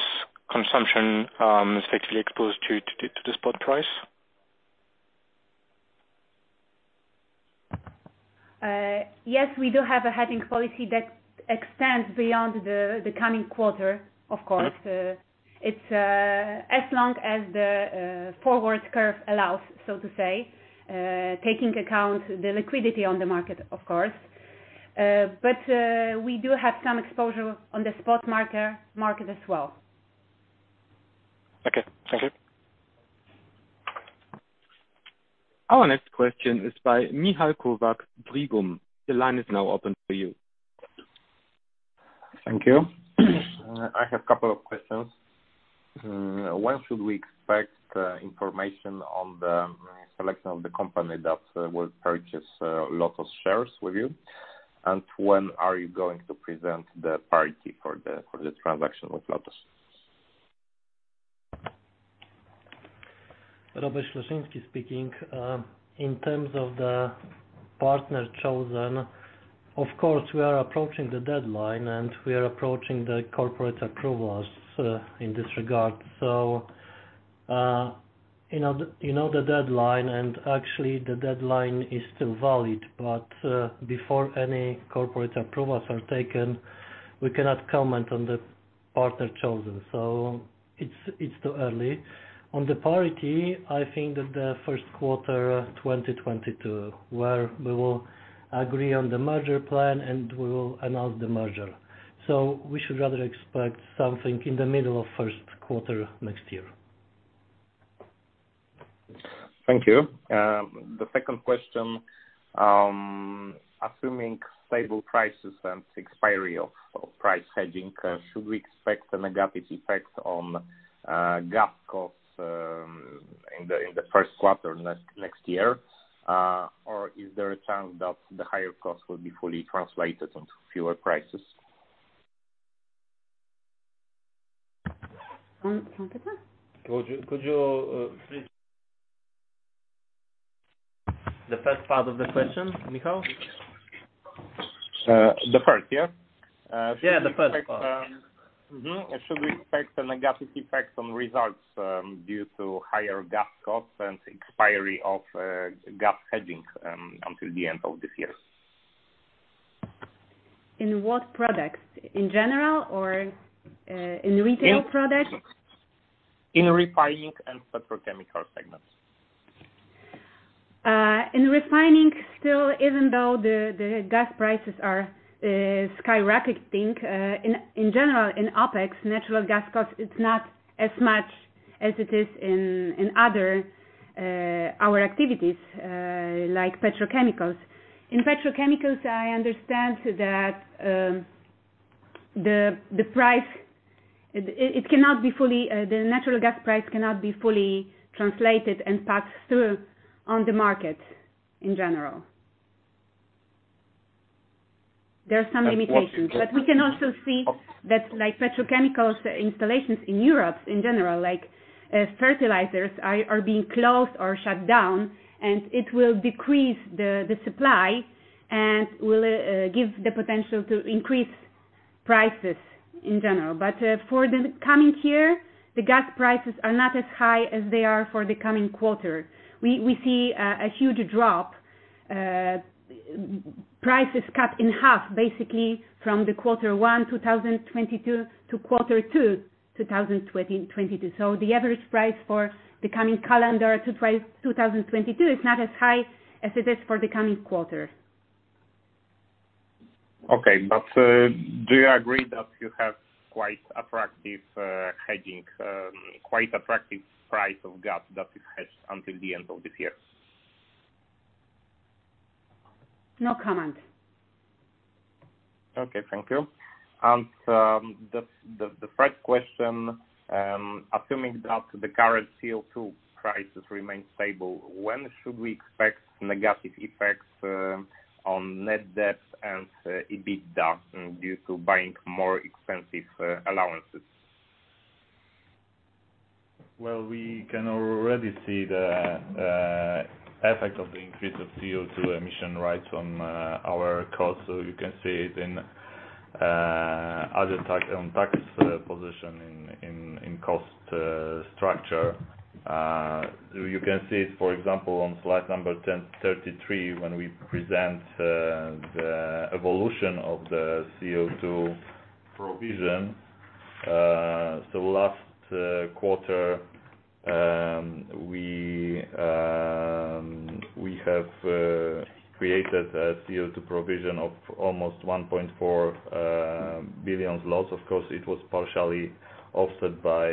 consumption is effectively exposed to the spot price. Yes, we do have a hedging policy that extends beyond the coming quarter, of course. Okay. It's as long as the forward curve allows, so to say, taking into account the liquidity on the market, of course. We do have some exposure on the spot market as well. Okay. Thank you. Our next question is by Michal Kozak, Trigon. The line is now open for you. Thank you. I have a couple of questions. When should we expect information on the selection of the company that will purchase LOTOS shares with you? When are you going to present the parties for the transaction with LOTOS? In terms of the partner chosen, of course, we are approaching the deadline, and we are approaching the corporate approvals in this regard. You know the deadline, and actually the deadline is still valid. Before any corporate approvals are taken, we cannot comment on the partner chosen. It's too early. On the parity, I think that the first quarter 2022, where we will agree on the merger plan, and we will announce the merger. We should rather expect something in the middle of first quarter next year. Thank you. The second question. Assuming stable prices and expiry of price hedging, should we expect a negative effect on gas costs in the first quarter next year? Or is there a chance that the higher cost will be fully translated into fuel prices? Um, The first part of the question, Michal? The first, yeah. Yeah, the first part. Should we expect a negative effect on results due to higher gas costs and expiry of gas hedging until the end of this year? In what products? In general or, in retail products? In Refining and Petrochemical segments. In Refining still, even though the gas prices are skyrocketing, in general, in OpEx, natural gas cost is not as much as it is in other our activities, like petrochemicals. In petrochemicals, I understand that the natural gas price cannot be fully translated and passed through on the market in general. There are some limitations. We can also see that like petrochemicals installations in Europe in general, like, fertilizers are being closed or shut down, and it will decrease the supply and will give the potential to increase prices in general. For the coming year, the gas prices are not as high as they are for the coming quarter. We see a huge drop, prices cut in half, basically from Q1 2022 to Q2 2022. The average price for the coming calendar 2022 is not as high as it is for the coming quarter. Okay. Do you agree that you have quite attractive hedging, quite attractive price of gas that is hedged until the end of this year? No comment. Okay, thank you. The third question, assuming that the current CO2 prices remain stable, when should we expect negative effects on net debt and EBITDA due to buying more expensive allowances? Well, we can already see the effect of the increase of CO2 emission rights on or costs. You can see it in other tax position in cost structure. You can see it, for example, on slide number 10, 33, when we present the evolution of the CO2 provision. Last quarter we have created a CO2 provision of almost 1.4 billion in loss. Of course, it was partially offset by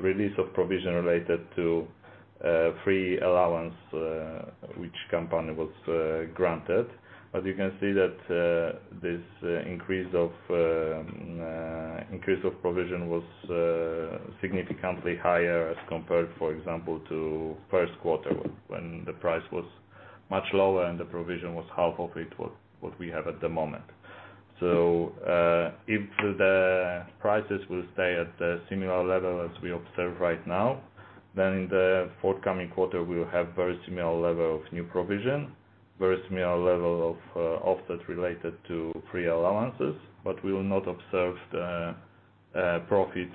release of provision related to free allowance which the company was granted. You can see that this increase of provision was significantly higher as compared, for example, to first quarter when the price was much lower and the provision was half of what we have at the moment. If the prices will stay at a similar level as we observe right now, then in the forthcoming quarter we will have very similar level of new provision, very similar level of offset related to free allowances, but we will not observe the profit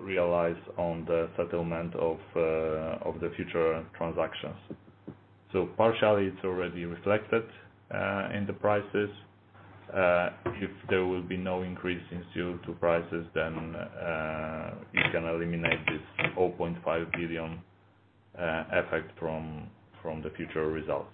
realized on the settlement of the future transactions. Partially it's already reflected in the prices. If there will be no increase in CO2 prices then you can eliminate this 4.5 billion effect from the future results.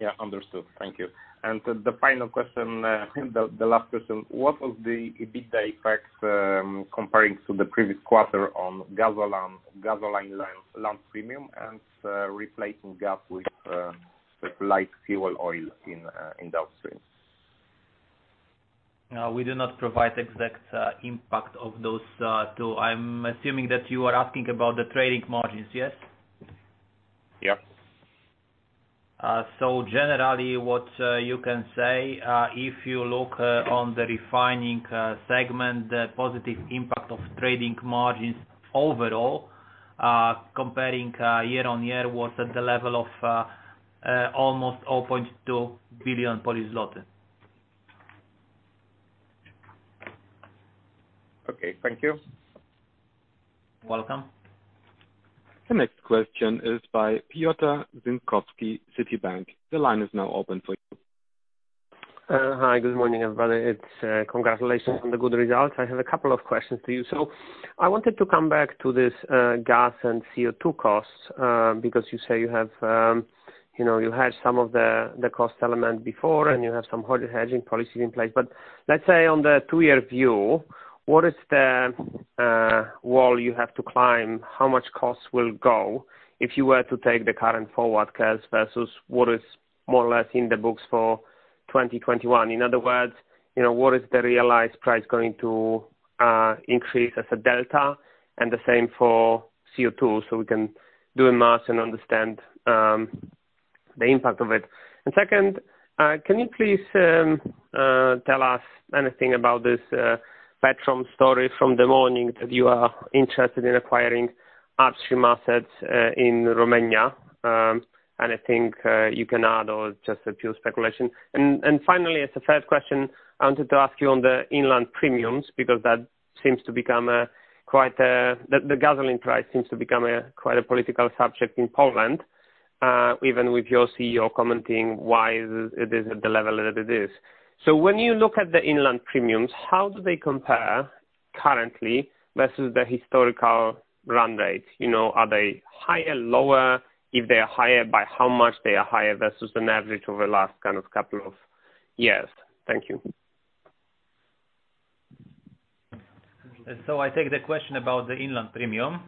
Yeah, understood. Thank you. The final question, what are the EBITDA effects comparing to the previous quarter on gasoline and lamp premium and replacing gas with light fuel oil in downstream? We do not provide exact impact of those two. I'm assuming that you are asking about the trading margins, yes? Yeah. Generally, what you can say, if you look on the Refining segment, the positive impact of trading margins overall, comparing year-over-year, was at the level of almost PLN 0.2 billion. Okay, thank you. Welcome. The next question is by Piotr Dzięciołowski, Citibank. The line is now open for you. Hi, good morning, everybody. It's congratulations on the good results. I have a couple of questions to you. I wanted to come back to this gas and CO2 costs because you say you have you know, you had some of the cost element before and you have some hedging policies in place. Let's say on the two-year view, what is the wall you have to climb? How much costs will go if you were to take the current forward curves versus what is more or less in the books for 2021? In other words, you know, what is the realized price going to increase as a delta? And the same for CO2, so we can do the math and understand the impact of it. Second, can you please tell us anything about this Petrom story from the morning that you are interested in acquiring upstream assets in Romania? I think you can add or just pure speculation. Finally, as a third question, I wanted to ask you on the inland premiums, because that seems to become quite the gasoline price seems to become quite a political subject in Poland, even with your CEO commenting why it is at the level that it is. When you look at the inland premiums, how do they compare currently versus the historical run rates? You know, are they higher, lower? If they are higher, by how much are they higher versus an average over the last couple of years? Thank you. I take the question about the inland premium.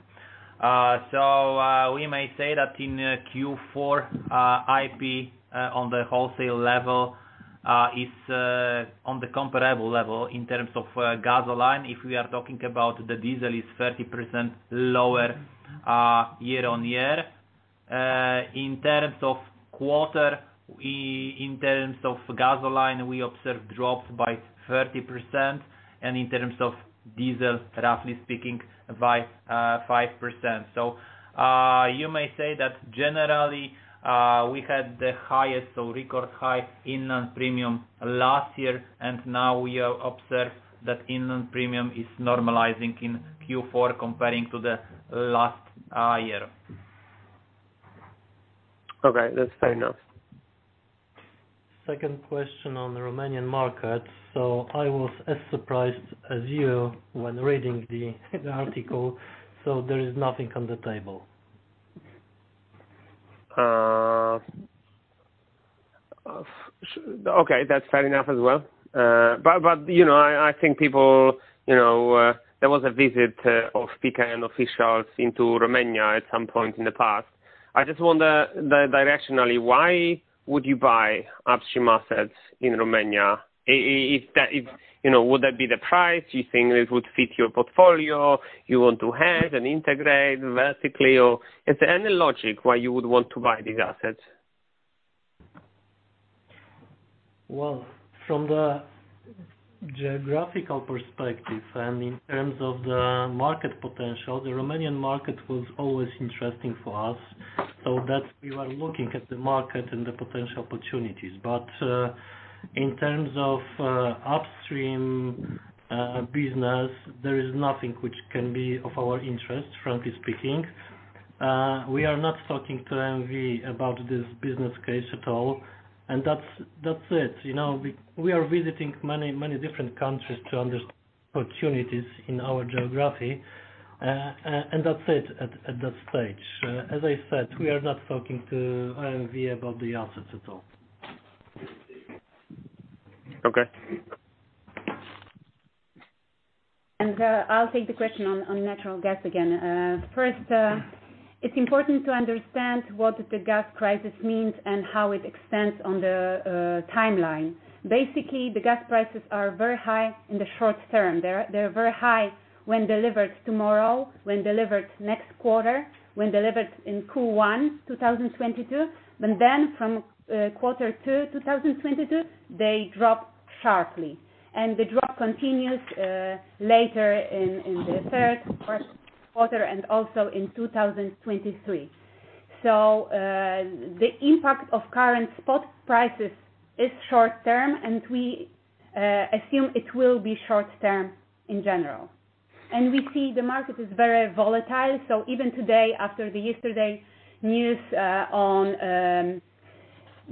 We may say that in Q4, IP on the wholesale level is on the comparable level in terms of gasoline. If we are talking about the diesel is 30% lower year-on-year. In terms of quarter-on-quarter, we observe drops by 30% in terms of gasoline, and in terms of diesel, roughly speaking, by 5%. You may say that generally, we had the record high inland premium last year, and now we have observed that inland premium is normalizing in Q4 compared to last year. Okay, that's fair enough. Second question on the Romanian market. I was as surprised as you when reading the article, so there is nothing on the table. Okay, that's fair enough as well. But you know, I think people, you know, there was a visit of PKN officials into Romania at some point in the past. I just wonder directionally, why would you buy upstream assets in Romania? If that, if you know, would that be the price? Do you think it would fit your portfolio? You want to hedge and integrate vertically or is there any logic why you would want to buy these assets? Well, from the geographical perspective and in terms of the market potential, the Romanian market was always interesting for us so that we were looking at the market and the potential opportunities. In terms of Upstream business, there is nothing which can be of our interest, frankly speaking. We are not talking to OMV about this business case at all, and that's it. You know, we are visiting many different countries to understand opportunities in our geography. And that's it at that stage. As I said, we are not talking to OMV about the assets at all. Okay. I'll take the question on natural gas again. First, it's important to understand what the gas crisis means and how it extends on the timeline. Basically, the gas prices are very high in the short term. They're very high when delivered tomorrow, when delivered next quarter, when delivered in Q1 2022. But then from Q2 2022, they drop sharply. The drop continues later in the third quarter and also in 2023. The impact of current spot prices is short term, and we assume it will be short term in general. We see the market is very volatile, so even today after the yesterday news on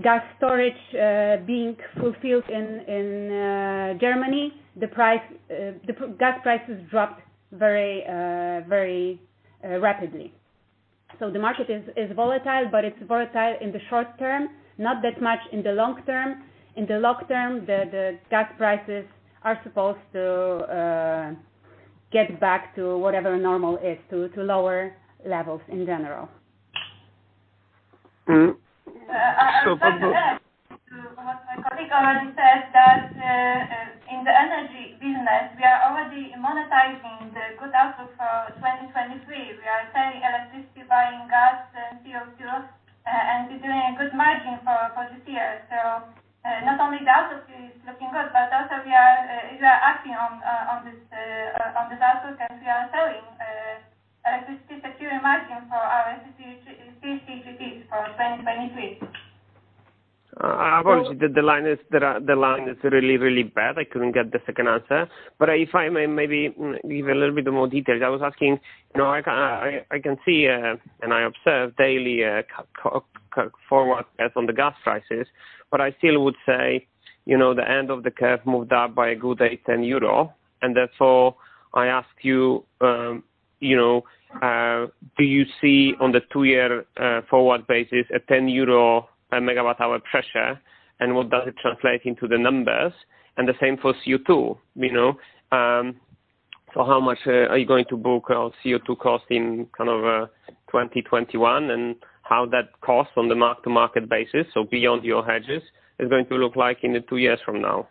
gas storage being fulfilled in Germany, the gas prices dropped very rapidly. The market is volatile, but it's volatile in the short term, not that much in the long term. In the long term, the gas prices are supposed to get back to whatever normal is, to lower levels in general. Mm. So- I would like to add to what my colleague already said that in the Energy business, we are already monetizing the good outlook for 2023. We are selling electricity, buying gas and CO2, and we're securing a good margin for this year. Not only the outlook is looking good, but also we are acting on this outlook, and we are selling electricity, securing margin for our CCGTs for 2023. Unfortunately the line is really bad. I couldn't get the second answer. If I may maybe give a little bit more details. I was asking. You know, I can see, and I observe daily forward gas prices, but I still would say, you know, the end of the curve moved up by a good 8-10 euro. Therefore I ask you know, do you see on the two-year forward basis a 10 euro a MWh pressure, and what does it translate into the numbers? The same for CO2, you know. How much are you going to book on CO2 cost in kind of 2021, and how that cost on the mark-to-market basis, so beyond your hedges, is going to look like in two years from now?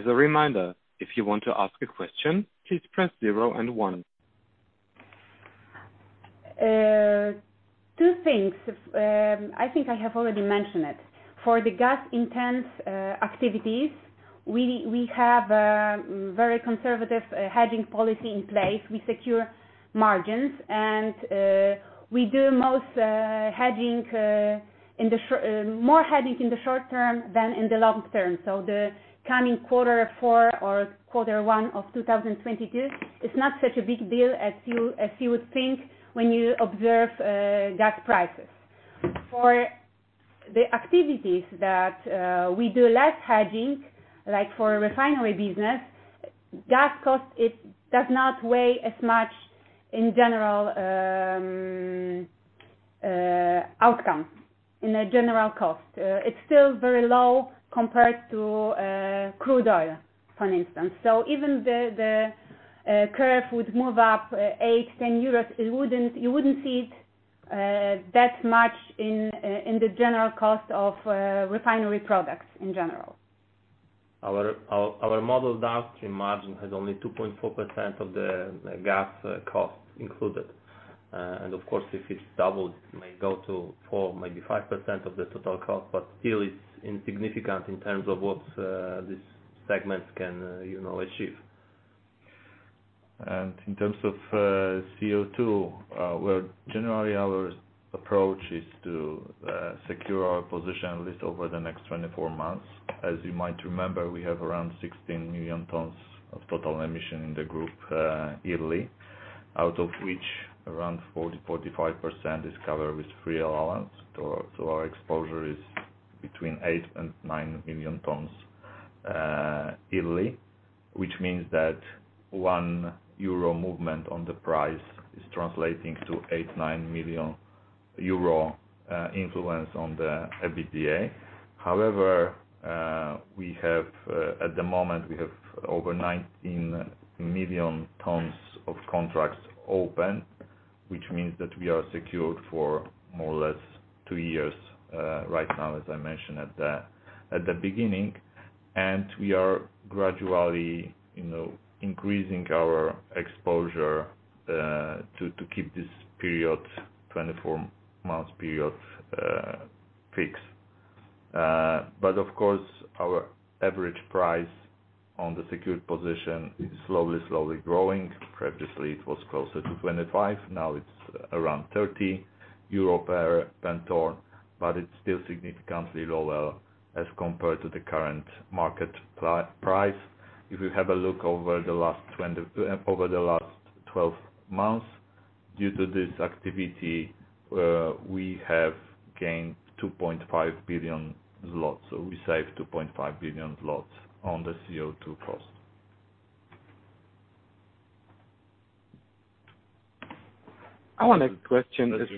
As a reminder, if you want to ask a question, please press zero and one. Two things. I think I have already mentioned it. For the gas-intensive activities, we have a very conservative hedging policy in place. We secure margins and we do most hedging more in the short term than in the long term. The coming quarter four or quarter one of 2022, it's not such a big deal as you would think when you observe gas prices. For- The activities that we do less hedging, like for refinery business, gas cost it does not weigh as much in general outcome, in a general cost. It's still very low compared to crude oil, for instance. Even the curve would move up 8-10 euros, it wouldn't, you wouldn't see it that much in the general cost of refinery products in general. Our model downstream margin has only 2.4% of the gas costs included. Of course, if it's doubled, it may go to 4%, maybe 5% of the total cost. Still it's insignificant in terms of what these segments can, you know, achieve. In terms of CO2, well, generally, our approach is to secure our position at least over the next 24 months. As you might remember, we have around 16 million tons of total emissions in the group yearly, out of which around 45% is covered with free allowances. Our exposure is between 8-9 million tons yearly, which means that 1 euro movement on the price is translating to 8-9 million euro influence on the EBITDA. However, we have, at the moment, over 19 million tons of contracts open, which means that we are secured for more or less two years, right now, as I mentioned at the beginning. We are gradually, you know, increasing our exposure, to keep this period, 24 months period, fixed. But of course, our average price on the secured position is slowly growing. Previously, it was closer to 25, now it's around 30 euro per ton, but it's still significantly lower as compared to the current market price. If you have a look over the last 12 months, due to this activity, we have gained 2.5 billion zlotys. We saved 2.5 billion zlotys on the CO2 cost. Our next question is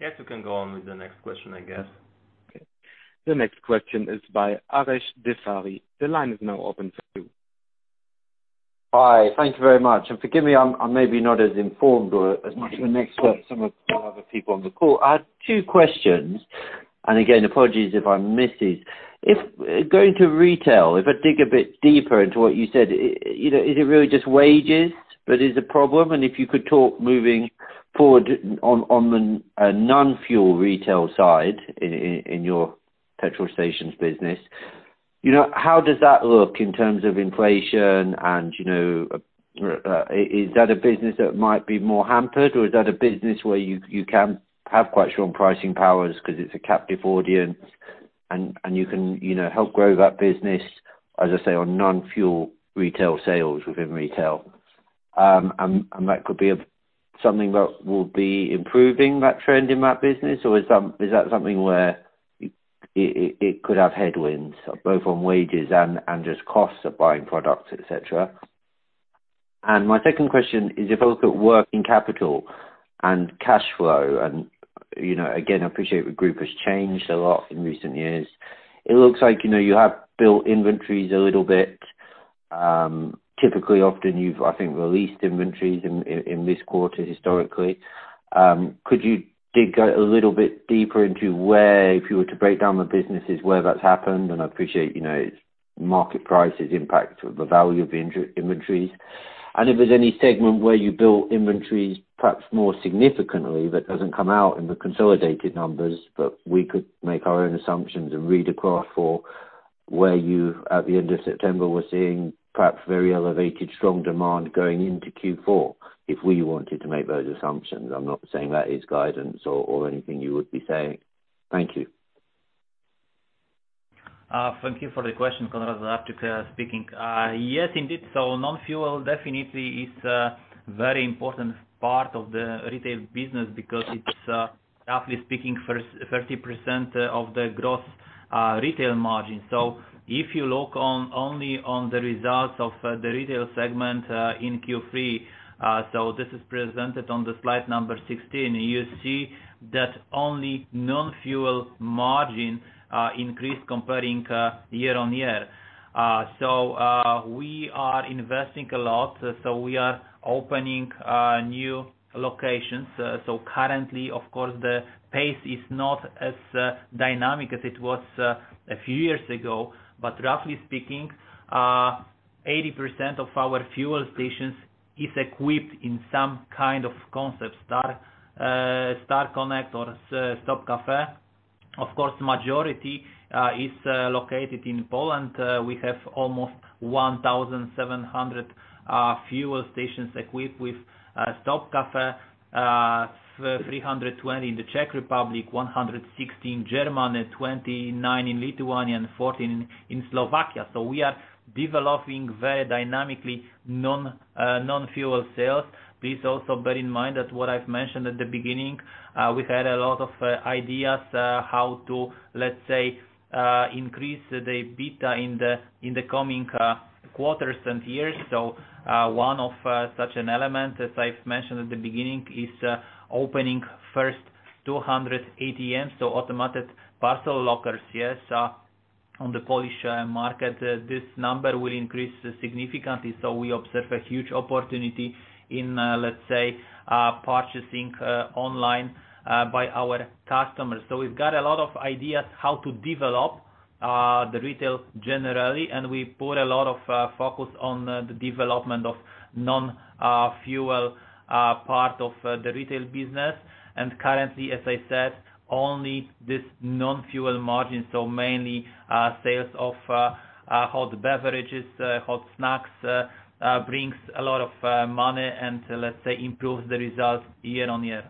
by Yes, you can go on with the next question, I guess. Okay. The next question is by [Arash Dessari]. The line is now open to you. Hi. Thank you very much. Forgive me, I'm maybe not as informed or as much as some of the other people on the call. I had two questions. Again, apologies if I missed it. If going to Retail, if I dig a bit deeper into what you said, is it really just wages that is a problem? If you could talk moving forward on the non-fuel retail side in your petrol stations business, you know, how does that look in terms of inflation? You know, is that a business that might be more hampered, or is that a business where you can have quite strong pricing powers 'cause it's a captive audience and you can help grow that business, as I say, on non-fuel retail sales within retail? That could be something that will be improving that trend in that business? Or is that something where it could have headwinds, both on wages and just costs of buying products, et cetera? My second question is, if I look at working capital and cash flow, you know, again, I appreciate the group has changed a lot in recent years. It looks like, you know, you have built inventories a little bit. Typically, often you've, I think, released inventories in this quarter historically. Could you dig a little bit deeper into where, if you were to break down the businesses where that's happened? I appreciate, you know, it's market prices impact the value of the inventories. If there's any segment where you built inventories, perhaps more significantly, that doesn't come out in the consolidated numbers, but we could make our own assumptions and read across for where you, at the end of September, were seeing perhaps very elevated, strong demand going into Q4, if we wanted to make those assumptions. I'm not saying that is guidance or anything you would be saying. Thank you. Thank you for the question, Konrad speaking. Yes, indeed. Non-fuel definitely is a very important part of the retail business because it's, roughly speaking, 30% of the gross retail margin. If you look only on the results of the retail segment in Q3, so this is presented on the slide number 16. You see that only non-fuel margin increased comparing year-on-year. We are investing a lot, so we are opening new locations. Currently, of course, the pace is not as dynamic as it was a few years ago. Roughly speaking, 80% of our fuel stations is equipped in some kind of concept Star Connect or Stop Cafe. Of course, majority is located in Poland. We have almost 1,700 fuel stations equipped with Stop Cafe, 320 in the Czech Republic, 116 in Germany, 29 in Lithuania, and 14 in Slovakia. We are developing very dynamically non-fuel sales. Please also bear in mind that what I've mentioned at the beginning, we had a lot of ideas how to, let's say, increase the EBITDA in the coming quarters and years. One of such an element, as I've mentioned at the beginning, is opening first 200 APMs, so automatic parcel lockers, yes, on the Polish market. This number will increase significantly, so we observe a huge opportunity in, let's say, purchasing online by our customers. We've got a lot of ideas how to develop the retail generally, and we put a lot of focus on the development of non-fuel part of the Retail business. Currently, as I said, only this non-fuel margin, so mainly sales of hot beverages, hot snacks, brings a lot of money and, let's say, improves the results year on year.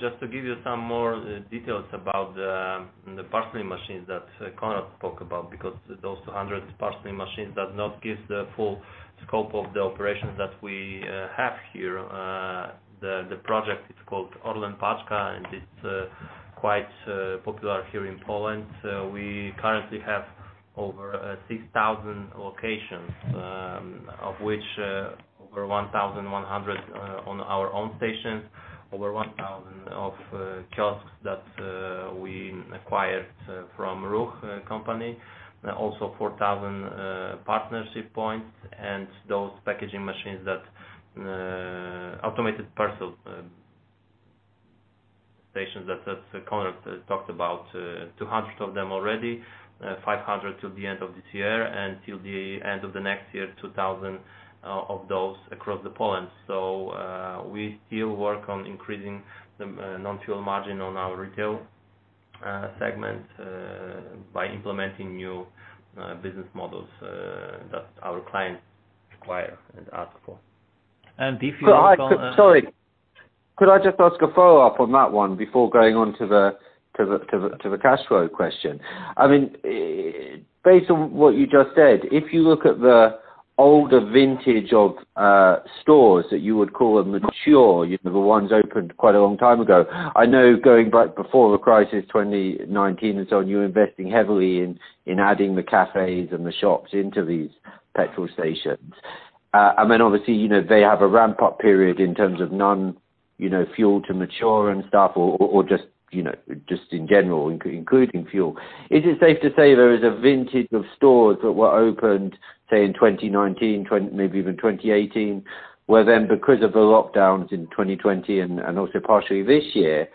Just to give you some more details about the parcel machines that Konrad spoke about, because those 200 parcel machines does not give the full scope of the operations that we have here. The project is called ORLEN Paczka, and it's quite popular here in Poland. We currently have over 6,000 locations, of which over 1,100 on our own stations, over 1,000 kiosks that we acquired from Ruch company. Also 4,000 partnership points and those automated parcel stations that Konrad talked about, 200 of them already, 500 till the end of this year, and till the end of the next year, 2,000 of those across Poland. We still work on increasing the non-fuel margin on our Retail segment by implementing new business models that our clients require and ask for. And if you- Could I just ask a follow-up on that one before going on to the cash flow question? I mean, based on what you just said, if you look at the older vintage of stores that you would call a mature, you know, the ones opened quite a long time ago, I know going back before the crisis, 2019 and so on, you were investing heavily in adding the cafes and the shops into these petrol stations. I mean, obviously, you know, they have a ramp-up period in terms of non-fuel to mature and stuff or just, you know, just in general, including fuel. Is it safe to say there is a vintage of stores that were opened, say, in 2019, maybe even 2018, where then because of the lockdowns in 2020 and also partially this year,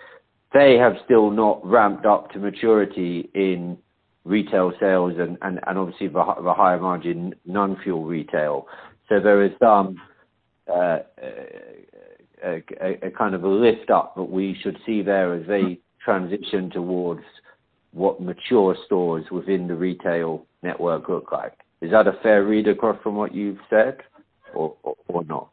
they have still not ramped up to maturity in retail sales and obviously the higher margin non-fuel retail. So there is some a kind of a lift up that we should see there as they transition towards what mature stores within the retail network look like. Is that a fair read across from what you've said or not?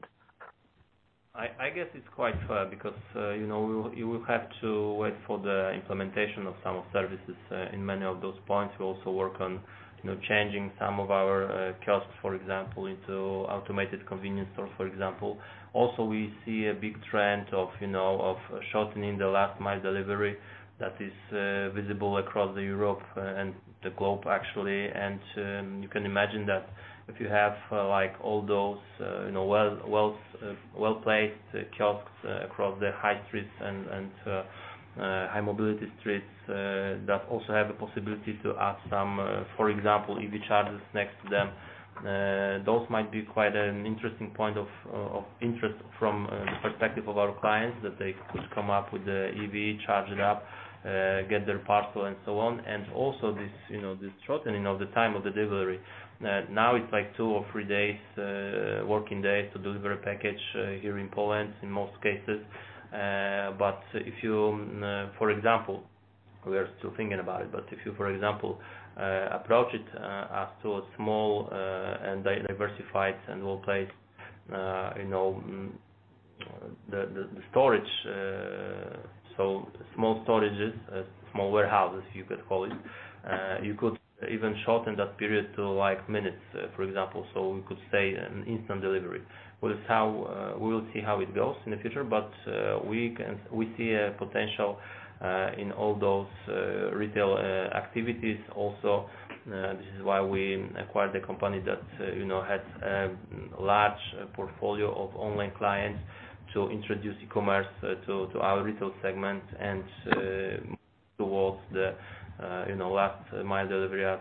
I guess it's quite fair because, you know, you will have to wait for the implementation of some of services in many of those points. We also work on, you know, changing some of our kiosks, for example, into automated convenience stores, for example. We see a big trend of, you know, shortening the last mile delivery that is visible across the Europe and the globe actually. You can imagine that if you have, like all those, you know, well-placed kiosks across the high streets and high mobility streets that also have a possibility to add some, for example, EV chargers next to them. Those might be quite an interesting point of interest from the perspective of our clients that they could come up with the EV, charge it up, get their parcel and so on. Also this, you know, this shortening of the time of delivery. Now it's like two or three days, working days to deliver a package, here in Poland in most cases. We are still thinking about it, but if you, for example, approach it as to a small and diversified and well-placed, you know, the storage, so small storages, small warehouses you could call it, you could even shorten that period to like minutes, for example. We could say an instant delivery. It's how we will see how it goes in the future. We see a potential in all those retail activities also. This is why we acquired a company that you know has large portfolio of online clients to introduce e-commerce to our Retail segment and towards the you know the last mile delivery as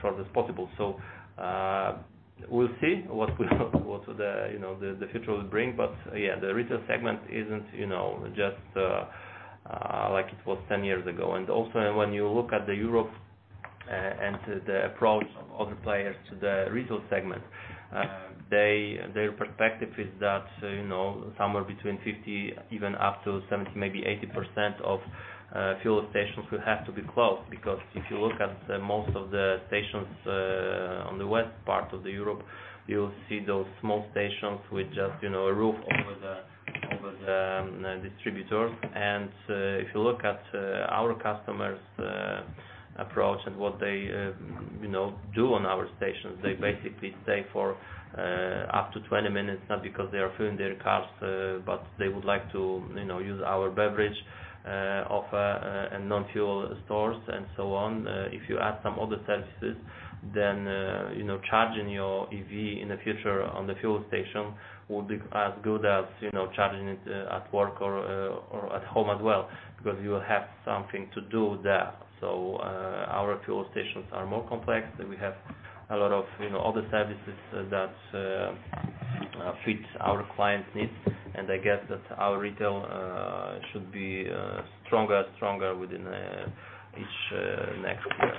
short as possible. We'll see what the you know the future will bring. Yeah, the Retail segment isn't you know just like it was 10 years ago. Also when you look at Europe and the approach of other players to the Retail segment, their perspective is that, you know, somewhere between 50, even up to 70, maybe 80% of fuel stations will have to be closed. Because if you look at most of the stations on the west part of Europe, you'll see those small stations with just, you know, a roof with a distributor. If you look at our customers' approach and what they, you know, do on our stations, they basically stay for up to 20 minutes, not because they are filling their cars, but they would like to, you know, use our beverage offer and non-fuel stores and so on. If you add some other services, then you know, charging your EV in the future on the fuel station will be as good as you know, charging it at work or at home as well, because you will have something to do there. Our fuel stations are more complex, and we have a lot of you know, other services that fit our clients' needs. I guess that our Retail should be stronger and stronger within each next year.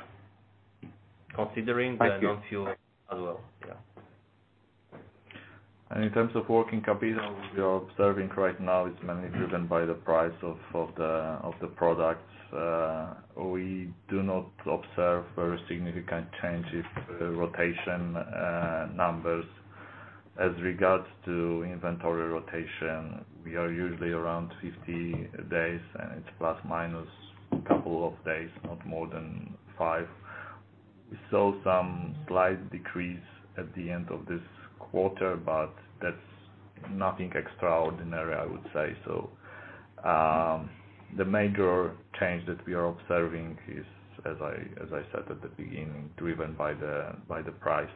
Thank you. The non-fuel as well. Yeah. In terms of working capital, we are observing right now it's mainly driven by the price of the products. We do not observe very significant change in the rotation numbers. As regards to inventory rotation, we are usually around 50 days, and it's plus/minus a couple of days, not more than five. We saw some slight decrease at the end of this quarter, but that's nothing extraordinary, I would say. The major change that we are observing is, as I said at the beginning, driven by the price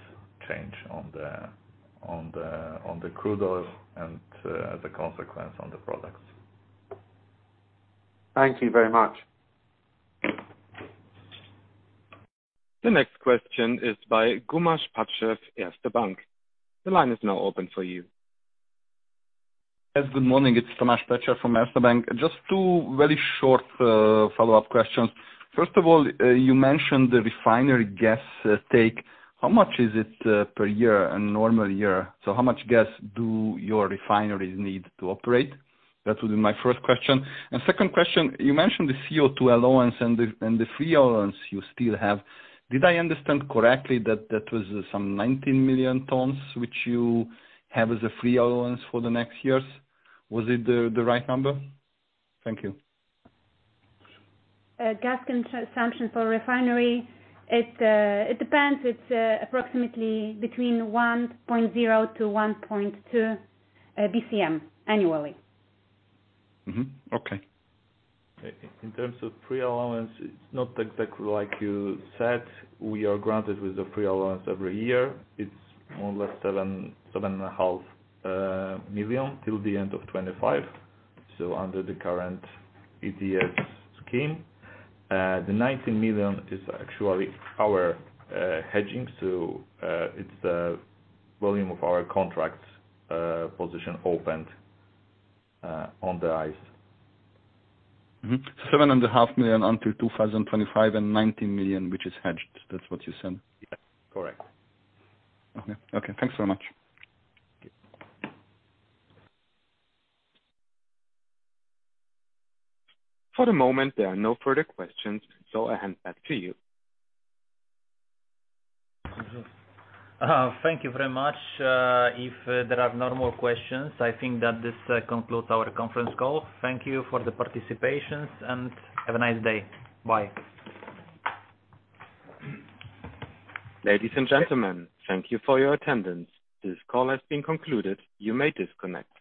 change on the crude oils and, as a consequence, on the products. Thank you very much. The next question is by ​Tamás ​Pletser, Erste Bank. The line is now open for you. Yes, good morning. It's ​Tamás from Erste Bank. Just two very short, follow-up questions. First of all, you mentioned the refinery gas take. How much is it per year in normal year? So how much gas do your refineries need to operate? That would be my first question. Second question, you mentioned the CO2 allowance and the free allowance you still have. Did I understand correctly that that was some 19 million tons which you have as a free allowance for the next years? Was it the right number? Thank you. Gas consumption for refinery, it depends. It's approximately between 1.0-1.2 BCM annually. Okay. In terms of free allowance, it's not exactly like you said. We are granted with the free allowance every year. It's more or less 7.5 million till the end of 2025, so under the current ETS scheme. The 19 million is actually our hedging, so it's the volume of our contract position opened on the ICE. 7.5 million until 2025 and 19 million, which is hedged. That's what you said? Yeah. Correct. Okay, thanks so much. Okay. For the moment, there are no further questions, so I hand back to you. Thank you very much. If there are no more questions, I think that this concludes our conference call. Thank you for the participation, and have a nice day. Bye. Ladies and gentlemen, thank you for your attendance. This call has been concluded. You may disconnect.